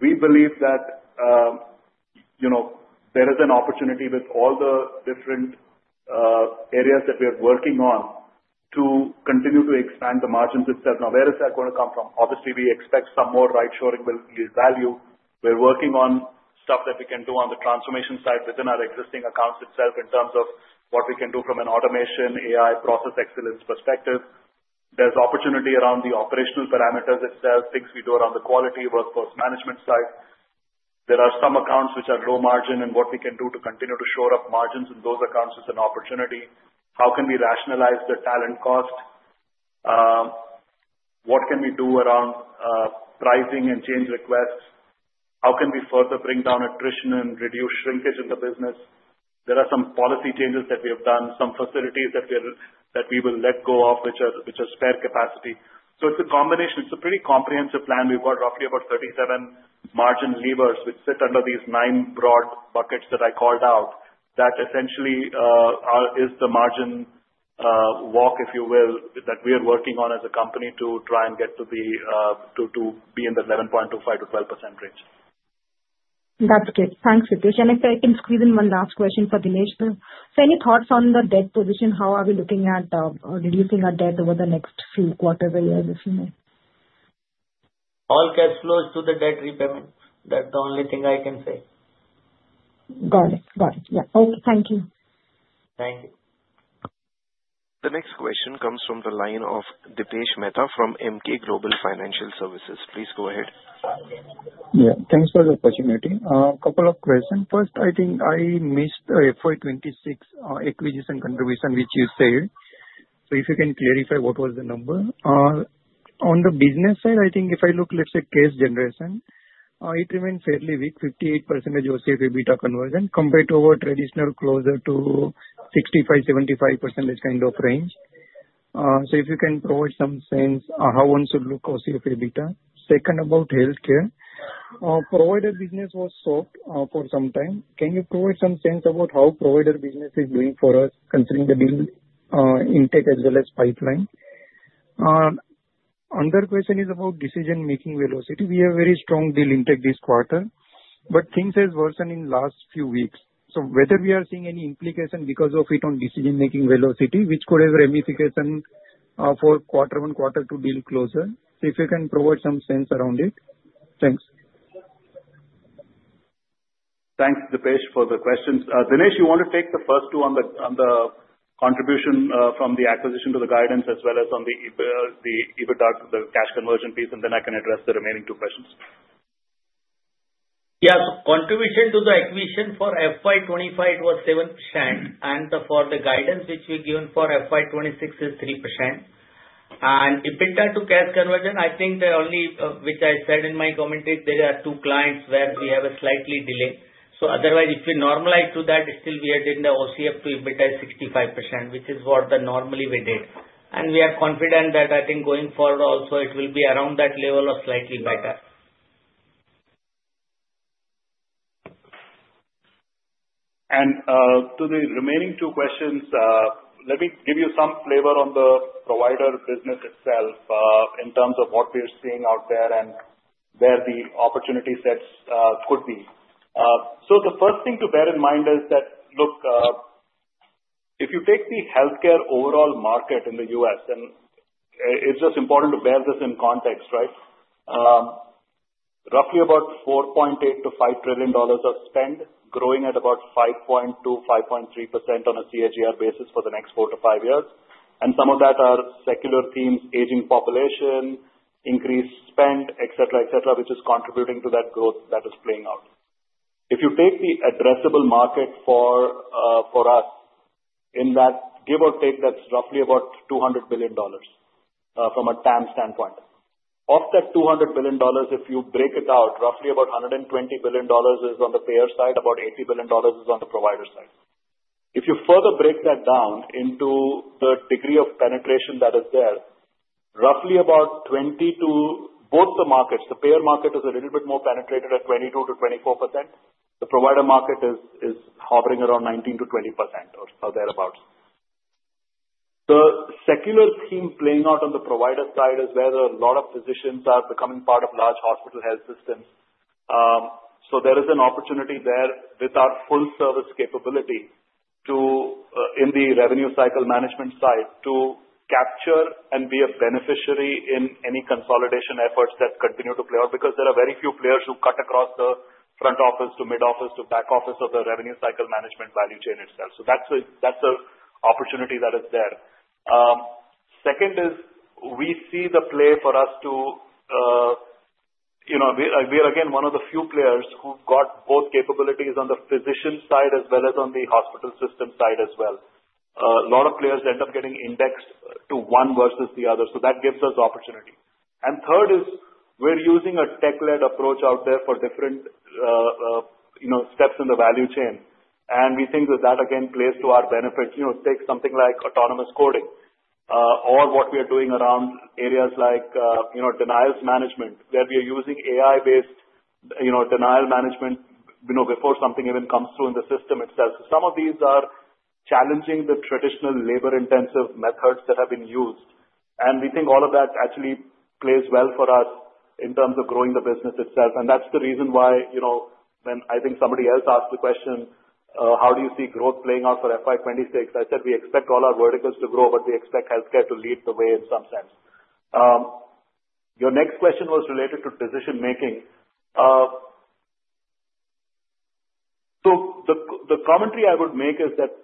We believe that there is an opportunity with all the different areas that we are working on to continue to expand the margins itself. Now, where is that going to come from? Obviously, we expect some more right-shoring value. We are working on stuff that we can do on the transformation side within our existing accounts itself in terms of what we can do from an automation, AI, process excellence perspective. There is opportunity around the operational parameters itself, things we do around the quality workforce management side. There are some accounts which are low margin and what we can do to continue to shore up margins in those accounts is an opportunity. How can we rationalize the talent cost? What can we do around pricing and change requests? How can we further bring down attrition and reduce shrinkage in the business? There are some policy changes that we have done, some facilities that we will let go of, which are spare capacity. It is a combination. It is a pretty comprehensive plan. We have got roughly about 37 margin levers which sit under these nine broad buckets that I called out. That essentially is the margin walk, if you will, that we are working on as a company to try and get to be in the 11.25%-12% range. That is good. Thanks, Ritesh. If I can squeeze in one last question for Dinesh, though, any thoughts on the debt position? How are we looking at reducing our debt over the next few quarters or years, if you may? All cash flows to the debt repayment. That's the only thing I can say. Got it. Got it. Yeah. Okay. Thank you. Thank you. The next question comes from the line of Dipesh Mehta from Emkay Global Financial Services. Please go ahead. Yeah. Thanks for the opportunity. A couple of questions. First, I think I missed the FY 2026 acquisition contribution, which you said. If you can clarify what was the number. On the business side, I think if I look, let's say, case generation, it remained fairly weak, 58% of CFA beta conversion compared to our traditional closer to 65-75% kind of range. If you can provide some sense how one should look for CFA beta. Second, about healthcare, provider business was soft for some time. Can you provide some sense about how provider business is doing for us, considering the deal intake as well as pipeline? Another question is about decision-making velocity. We have a very strong deal intake this quarter, but things have worsened in the last few weeks. Whether we are seeing any implication because of it on decision-making velocity, which could have ramifications for quarter one, quarter two, deal closer, if you can provide some sense around it. Thanks. Thanks, Dipesh, for the questions. Dinesh, you want to take the first two on the contribution from the acquisition to the guidance as well as on the EBITDA, the cash conversion piece, and then I can address the remaining two questions. Yeah. Contribution to the acquisition for FY 2025, it was 7%. For the guidance, which we have given for FY2026, it is 3%. EBITDA to cash conversion, I think the only which I said in my commentary, there are two clients where we have a slight delay. Otherwise, if we normalize to that, still we are getting the OCF to EBITDA is 65%, which is what normally we did. We are confident that going forward also, it will be around that level or slightly better. To the remaining two questions, let me give you some flavor on the provider business itself in terms of what we are seeing out there and where the opportunity sets could be. The first thing to bear in mind is that, look, if you take the healthcare overall market in the U.S., and it's just important to bear this in context, right? Roughly about $4.8 trillion-$5 trillion of spend, growing at about 5.2%-5.3% on a CAGR basis for the next four to five years. Some of that are secular themes, aging population, increased spend, etcetera, etcetera, which is contributing to that growth that is playing out. If you take the addressable market for us, in that give or take, that's roughly about $200 billion from a TAM standpoint. Of that $200 billion, if you break it out, roughly about $120 billion is on the payer side, about $80 billion is on the provider side. If you further break that down into the degree of penetration that is there, roughly about 20 to both the markets, the payer market is a little bit more penetrated at 22%-24%. The provider market is hovering around 19%-20% or thereabouts. The secular theme playing out on the provider side is where a lot of physicians are becoming part of large hospital health systems. There is an opportunity there with our full-service capability in the revenue cycle management side to capture and be a beneficiary in any consolidation efforts that continue to play out because there are very few players who cut across the front office to mid-office to back office of the revenue cycle management value chain itself. That is an opportunity that is there. Second is we see the play for us to, we're again one of the few players who've got both capabilities on the physician side as well as on the hospital system side as well. A lot of players end up getting indexed to one versus the other. That gives us opportunity. Third is we're using a tech-led approach out there for different steps in the value chain. We think that that, again, plays to our benefit. Take something like autonomous coding or what we are doing around areas like denials management, where we are using AI-based denial management before something even comes through in the system itself. Some of these are challenging the traditional labor-intensive methods that have been used. We think all of that actually plays well for us in terms of growing the business itself. That's the reason why when I think somebody else asked the question, "How do you see growth playing out for FY2026?" I said, "We expect all our verticals to grow, but we expect healthcare to lead the way in some sense." Your next question was related to decision-making. The commentary I would make is that,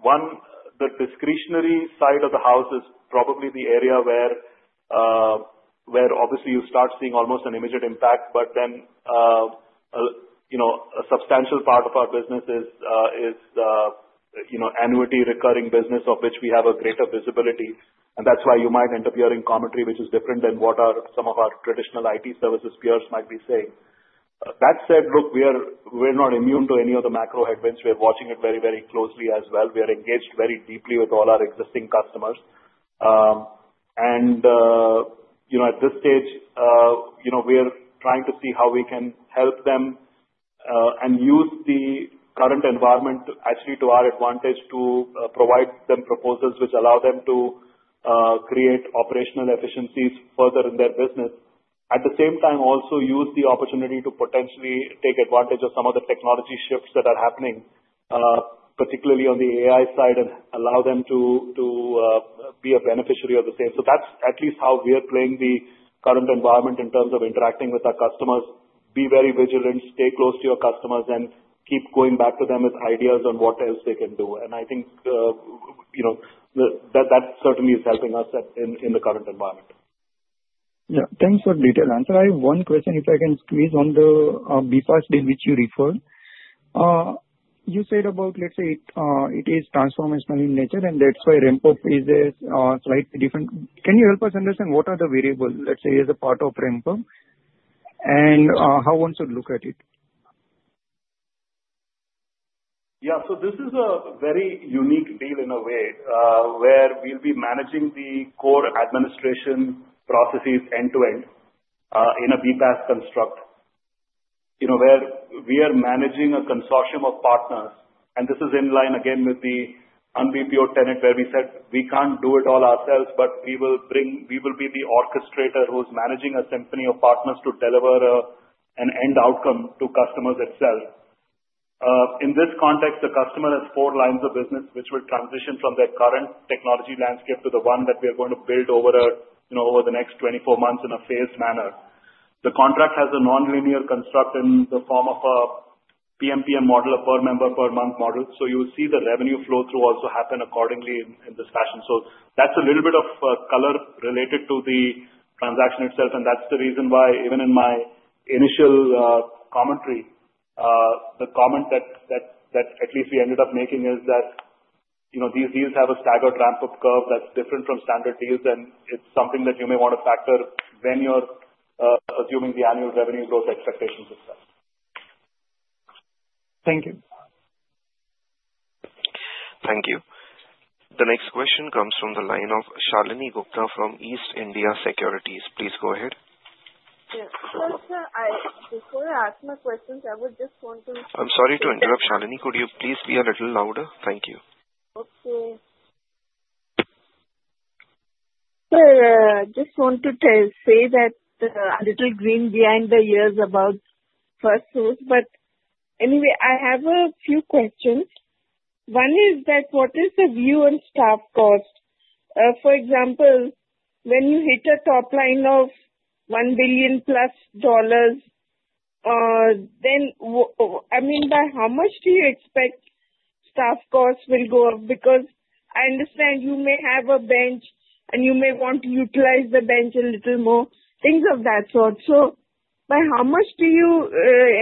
one, the discretionary side of the house is probably the area where obviously you start seeing almost an immediate impact, but then a substantial part of our business is annuity recurring business, of which we have greater visibility. That is why you might end up hearing commentary, which is different than what some of our traditional IT services peers might be saying. That said, look, we are not immune to any of the macro headwinds. We are watching it very, very closely as well. We are engaged very deeply with all our existing customers. At this stage, we are trying to see how we can help them and use the current environment actually to our advantage to provide them proposals which allow them to create operational efficiencies further in their business. At the same time, also use the opportunity to potentially take advantage of some of the technology shifts that are happening, particularly on the AI side, and allow them to be a beneficiary of the same. That is at least how we are playing the current environment in terms of interacting with our customers. Be very vigilant, stay close to your customers, and keep going back to them with ideas on what else they can do. I think that certainly is helping us in the current environment. Yeah. Thanks for the detailed answer. I have one question, if I can squeeze in on the BPAS deal which you referred. You said about, let's say, it is transformational in nature, and that is why PMPM is slightly different. Can you help us understand what are the variables, let's say, as a part of PMPM, and how one should look at it? Yeah. This is a very unique deal in a way where we'll be managing the core administration processes end to end in a BPAS construct where we are managing a consortium of partners. This is in line, again, with the un-BPO tenet where we said we can't do it all ourselves, but we will be the orchestrator who's managing a symphony of partners to deliver an end outcome to customers itself. In this context, the customer has four lines of business which will transition from their current technology landscape to the one that we are going to build over the next 24 months in a phased manner. The contract has a non-linear construct in the form of a PMPM model, a per member per month model. You will see the revenue flow-through also happen accordingly in this fashion. That's a little bit of color related to the transaction itself. That's the reason why, even in my initial commentary, the comment that at least we ended up making is that these deals have a staggered ramp-up curve that's different from standard deals, and it's something that you may want to factor when you're assuming the annual revenue growth expectations itself. Thank you. Thank you. The next question comes from the line of Shalini Gupta from East India Securities. Please go ahead. Yes. Before I ask my questions, I would just want to— I'm sorry to interrupt, Shalini. Could you please be a little louder? Thank you. Okay. I just want to say that a little green behind the ears about Firstsource. Anyway, I have a few questions. One is that what is the view on staff cost? For example, when you hit a top line of $1 billion plus, then I mean, by how much do you expect staff costs will go up? Because I understand you may have a bench, and you may want to utilize the bench a little more, things of that sort. By how much do you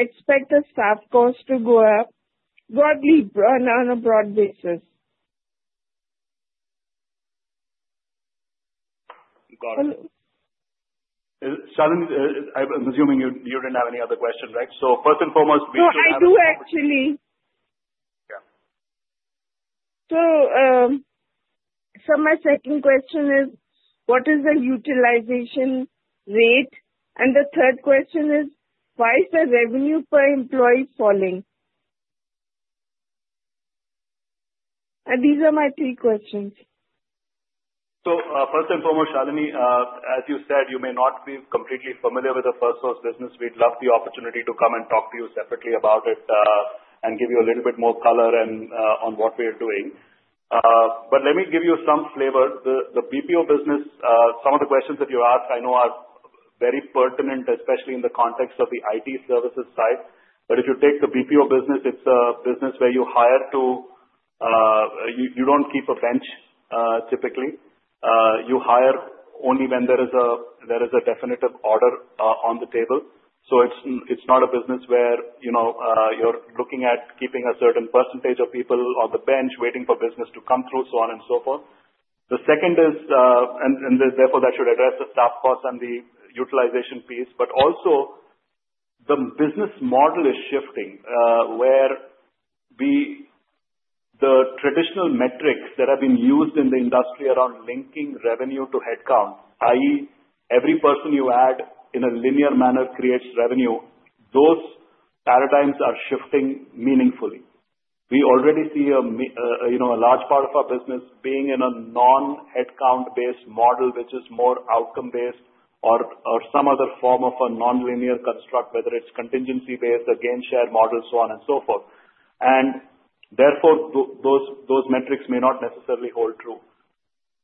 expect the staff cost to go up broadly on a broad basis? Got it. Shalini, I'm assuming you didn't have any other questions, right? First and foremost, we should have— No, I do actually. Yeah. My second question is, what is the utilization rate? The third question is, why is the revenue per employee falling? These are my three questions. First and foremost, Shalini, as you said, you may not be completely familiar with the Firstsource business. We'd love the opportunity to come and talk to you separately about it and give you a little bit more color on what we are doing. Let me give you some flavor. The BPO business, some of the questions that you asked, I know are very pertinent, especially in the context of the IT services side. If you take the BPO business, it's a business where you hire to—you don't keep a bench, typically. You hire only when there is a definitive order on the table. It's not a business where you're looking at keeping a certain percentage of people on the bench waiting for business to come through, so on and so forth. The second is, and therefore that should address the staff cost and the utilization piece. The business model is shifting where the traditional metrics that have been used in the industry around linking revenue to headcount, i.e., every person you add in a linear manner creates revenue, those paradigms are shifting meaningfully. We already see a large part of our business being in a non-headcount-based model, which is more outcome-based or some other form of a non-linear construct, whether it is contingency-based, a gain-share model, so on and so forth. Therefore, those metrics may not necessarily hold true.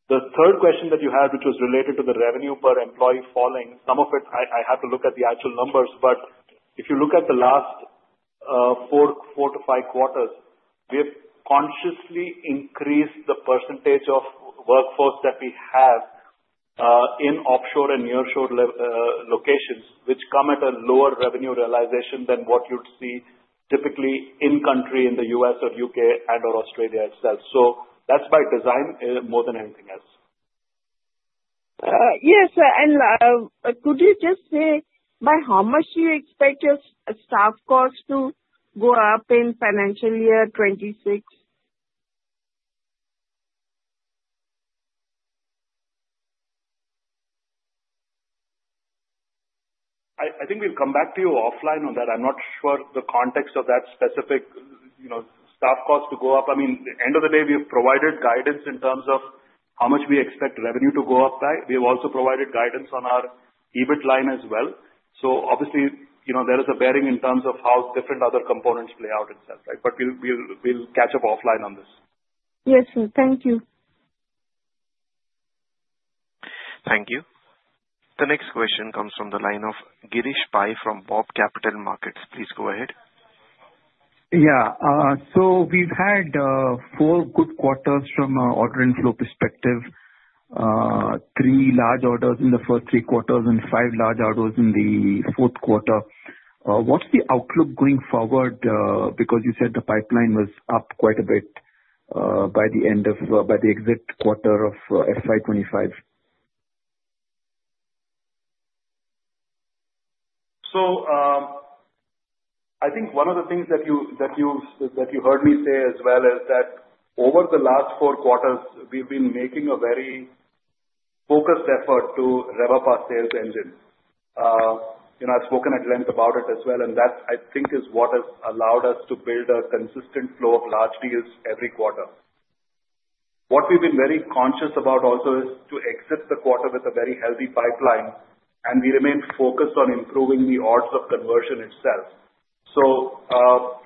The third question that you have, which was related to the revenue per employee falling, some of it, I have to look at the actual numbers, but if you look at the last four to five quarters, we have consciously increased the percentage of workforce that we have in offshore and nearshore locations, which come at a lower revenue realization than what you'd see typically in country in the U.S. or U.K. and/or Australia itself. That is by design more than anything else. Yes. Could you just say by how much do you expect your staff cost to go up in financial year 2026? I think we'll come back to you offline on that. I'm not sure the context of that specific staff cost to go up. I mean, at the end of the day, we have provided guidance in terms of how much we expect revenue to go up by. We have also provided guidance on our EBIT line as well. Obviously, there is a bearing in terms of how different other components play out itself, right? We'll catch up offline on this. Yes, sir. Thank you. Thank you. The next question comes from the line of Girish Pai from Bob Capital Markets. Please go ahead. Yeah. We have had four good quarters from an order-in-flow perspective, three large orders in the first three quarters and five large orders in the fourth quarter. What's the outlook going forward? You said the pipeline was up quite a bit by the end of by the exit quarter of FY 2025. I think one of the things that you heard me say as well is that over the last four quarters, we've been making a very focused effort to rev up our sales engine. I've spoken at length about it as well. That, I think, is what has allowed us to build a consistent flow of large deals every quarter. What we've been very conscious about also is to exit the quarter with a very healthy pipeline, and we remain focused on improving the odds of conversion itself.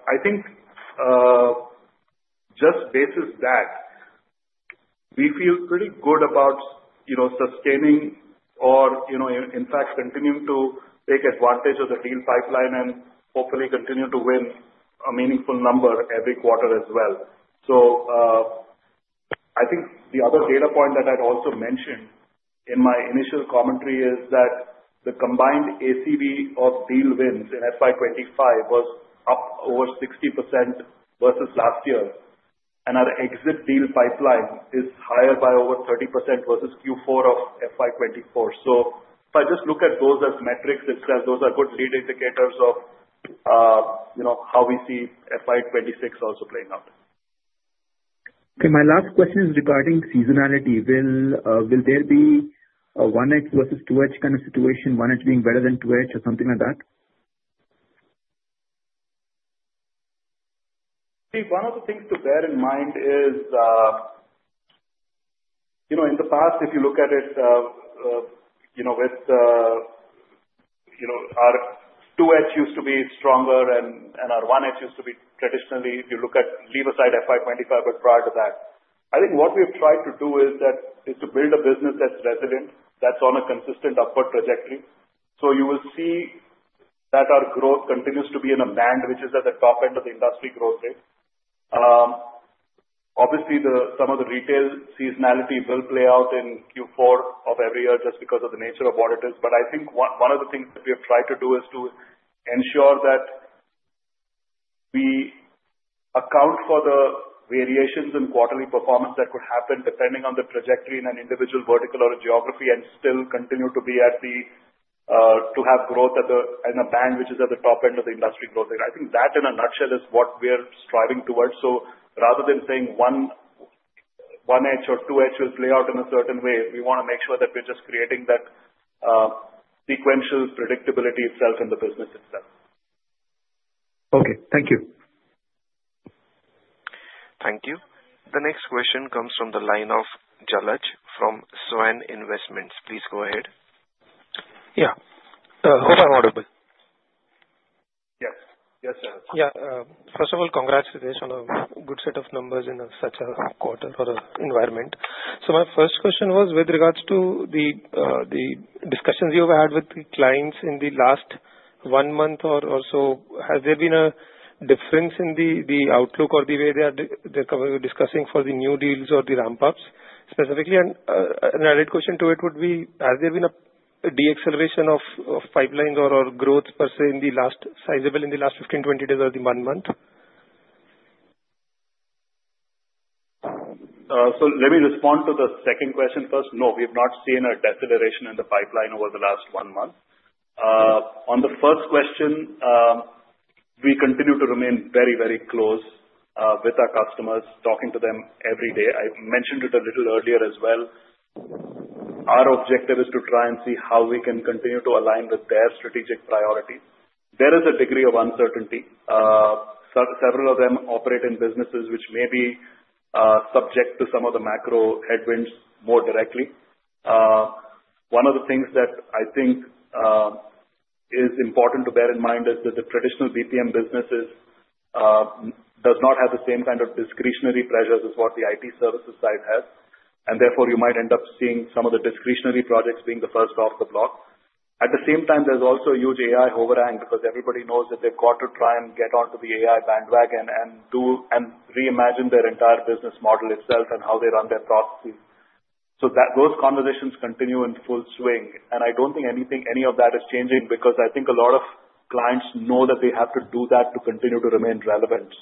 I think just basis that, we feel pretty good about sustaining or, in fact, continuing to take advantage of the deal pipeline and hopefully continue to win a meaningful number every quarter as well. I think the other data point that I'd also mentioned in my initial commentary is that the combined ACV of deal wins in FY2025 was up over 60% versus last year, and our exit deal pipeline is higher by over 30% versus Q4 of FY2024. If I just look at those as metrics itself, those are good lead indicators of how we see FY 2026 also playing out. Okay. My last question is regarding seasonality. Will there be a 1H versus 2H kind of situation, 1H being better than 2H or something like that? See, one of the things to bear in mind is in the past, if you look at it with our 2H used to be stronger and our 1H used to be traditionally, if you look at leave aside FY 2025 but prior to that. I think what we have tried to do is to build a business that's resilient, that's on a consistent upward trajectory. You will see that our growth continues to be in a band which is at the top end of the industry growth rate. Obviously, some of the retail seasonality will play out in Q4 of every year just because of the nature of what it is. I think one of the things that we have tried to do is to ensure that we account for the variations in quarterly performance that could happen depending on the trajectory in an individual vertical or a geography and still continue to have growth in a band which is at the top end of the industry growth rate. I think that in a nutshell is what we're striving towards. Rather than saying 1H or 2H will play out in a certain way, we want to make sure that we're just creating that sequential predictability itself in the business itself. Okay. Thank you. Thank you. The next question comes from the line of Jalaj from Svan Investments. Please go ahead. Yeah. Hope I'm audible. Yes. Yes, Jalaj. Yeah. First of all, congratulations on a good set of numbers in such a quarter or environment. My first question was with regards to the discussions you've had with the clients in the last one month or so, has there been a difference in the outlook or the way they're discussing for the new deals or the ramp-ups specifically? An added question to it would be, has there been a deceleration of pipelines or growth per se in the last sizable in the last 15-20 days or the one month? Let me respond to the second question first. No, we have not seen a deceleration in the pipeline over the last one month. On the first question, we continue to remain very, very close with our customers, talking to them every day. I mentioned it a little earlier as well. Our objective is to try and see how we can continue to align with their strategic priorities. There is a degree of uncertainty. Several of them operate in businesses which may be subject to some of the macro headwinds more directly. One of the things that I think is important to bear in mind is that the traditional BPM businesses do not have the same kind of discretionary pressures as what the IT services side has. Therefore, you might end up seeing some of the discretionary projects being the first off the block. At the same time, there is also a huge AI overhang because everybody knows that they have to try and get onto the AI bandwagon and reimagine their entire business model itself and how they run their processes. Those conversations continue in full swing. I do not think any of that is changing because I think a lot of clients know that they have to do that to continue to remain relevant.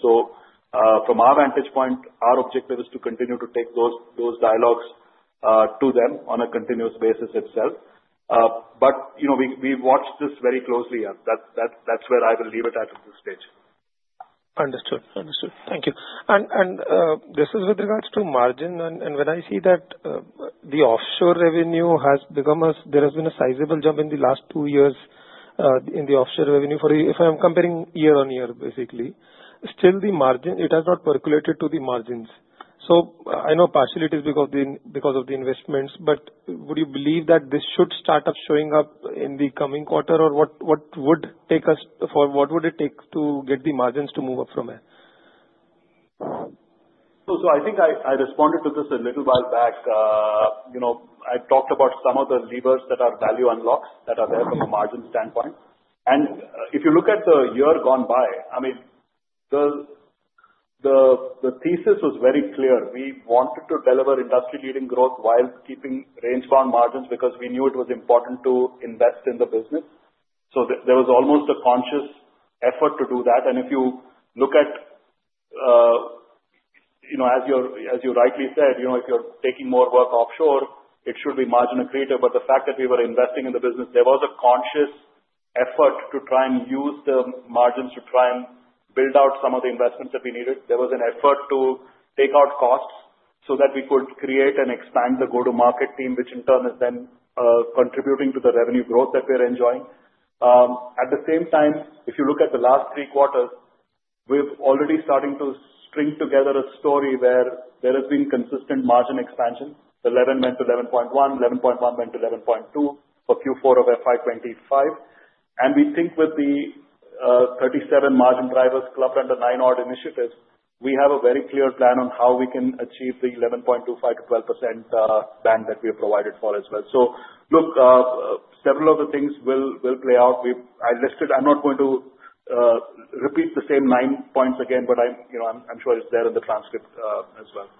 From our vantage point, our objective is to continue to take those dialogues to them on a continuous basis itself. We watch this very closely. That is where I will leave it at this stage. Understood. Understood. Thank you. This is with regards to margin. When I see that the offshore revenue has become a, there has been a sizable jump in the last two years in the offshore revenue for you. If I am comparing year on year, basically, still the margin, it has not percolated to the margins. I know partially it is because of the investments, but would you believe that this should start up showing up in the coming quarter or what would it take to get the margins to move up from here? I think I responded to this a little while back. I talked about some of the levers that are value unlocks that are there from a margin standpoint. If you look at the year gone by, I mean, the thesis was very clear. We wanted to deliver industry-leading growth while keeping range-bound margins because we knew it was important to invest in the business. There was almost a conscious effort to do that. If you look at, as you rightly said, if you're taking more work offshore, it should be marginally greater. The fact that we were investing in the business, there was a conscious effort to try and use the margins to try and build out some of the investments that we needed. There was an effort to take out costs so that we could create and expand the go-to-market team, which in turn is then contributing to the revenue growth that we're enjoying. At the same time, if you look at the last three quarters, we're already starting to string together a story where there has been consistent margin expansion. 11 went to 11.1, 11.1 went to 11.2 for Q4 of FY 2025. We think with the 37 margin drivers clubbed under Nine Odd initiative, we have a very clear plan on how we can achieve the 11.25-12% band that we have provided for as well. Look, several of the things will play out. I'm not going to repeat the same nine points again, but I'm sure it's there in the transcript as well.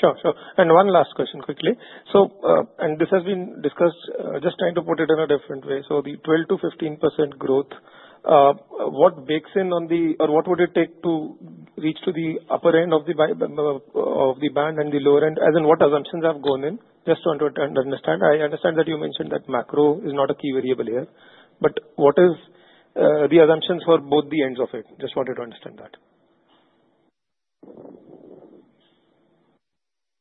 Sure. Sure. One last question quickly. This has been discussed, just trying to put it in a different way. The 12% to 15% growth, what bakes in on the or what would it take to reach to the upper end of the band and the lower end? As in what assumptions have gone in? Just want to understand. I understand that you mentioned that macro is not a key variable here. What is the assumptions for both the ends of it? Just wanted to understand that.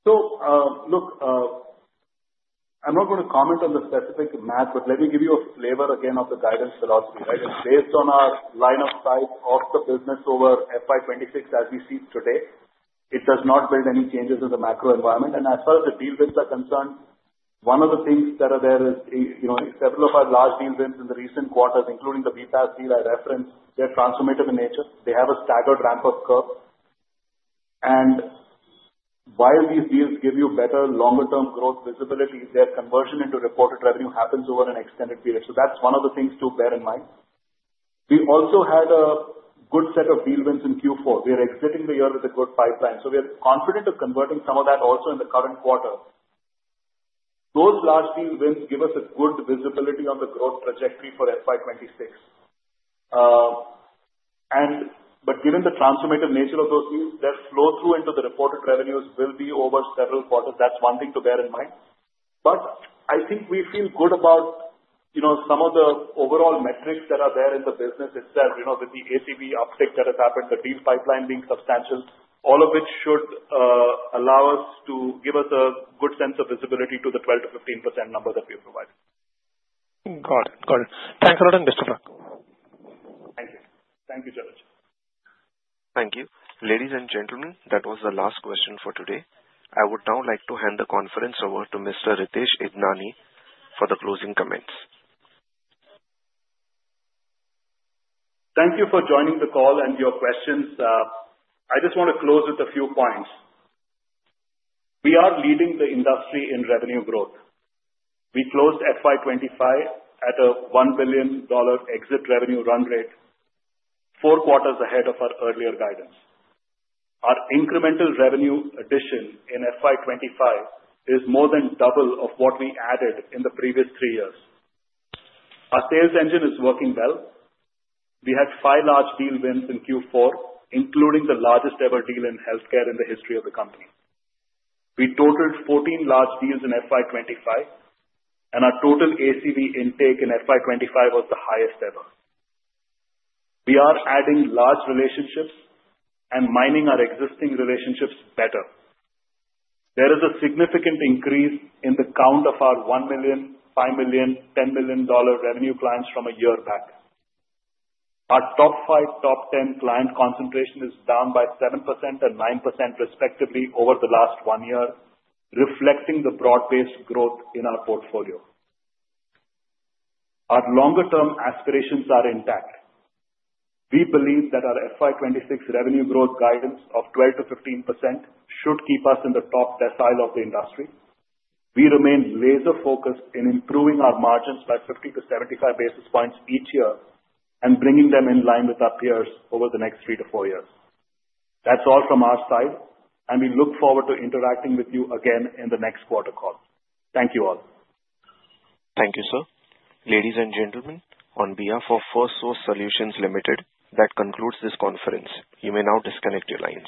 Look, I'm not going to comment on the specific math, but let me give you a flavor again of the guidance philosophy, right? Based on our line of sight of the business over FY 2026 as we see today, it does not build any changes in the macro environment. As far as the deal wins are concerned, one of the things that are there is several of our large deal wins in the recent quarters, including the BPAS deal I referenced, they're transformative in nature. They have a staggered ramp-up curve. While these deals give you better longer-term growth visibility, their conversion into reported revenue happens over an extended period. That is one of the things to bear in mind. We also had a good set of deal wins in Q4. We are exiting the year with a good pipeline. We are confident of converting some of that also in the current quarter. Those large deal wins give us good visibility on the growth trajectory for FY 2026. Given the transformative nature of those deals, their flow through into the reported revenues will be over several quarters. That is one thing to bear in mind. I think we feel good about some of the overall metrics that are there in the business itself with the ACV uptick that has happened, the deal pipeline being substantial, all of which should allow us to give us a good sense of visibility to the 12-15% number that we have provided. Got it. Got it. Thanks a lot and best of luck. Thank you. Thank you, Jalaj. Thank you. Ladies and gentlemen, that was the last question for today. I would now like to hand the conference over to Mr. Ritesh Idnani for the closing comments. Thank you for joining the call and your questions. I just want to close with a few points. We are leading the industry in revenue growth. We closed FY 2025 at a $1 billion exit revenue run rate, four quarters ahead of our earlier guidance. Our incremental revenue addition in FY 2025 is more than double of what we added in the previous three years. Our sales engine is working well. We had five large deal wins in Q4, including the largest ever deal in healthcare in the history of the company. We totaled 14 large deals in FY 2025, and our total ACV intake in FY 2025 was the highest ever. We are adding large relationships and mining our existing relationships better. There is a significant increase in the count of our $1 million, $5 million, $10 million revenue clients from a year back. Our top 5, top 10 client concentration is down by 7% and 9% respectively over the last one year, reflecting the broad-based growth in our portfolio. Our longer-term aspirations are intact. We believe that our FY 2026 revenue growth guidance of 12-15% should keep us in the top decile of the industry. We remain laser-focused in improving our margins by 50-75 basis points each year and bringing them in line with our peers over the next three to four years. That's all from our side, and we look forward to interacting with you again in the next quarter call. Thank you all. Thank you, sir. Ladies and gentlemen, on behalf of Firstsource Solutions, that concludes this conference. You may now disconnect your lines.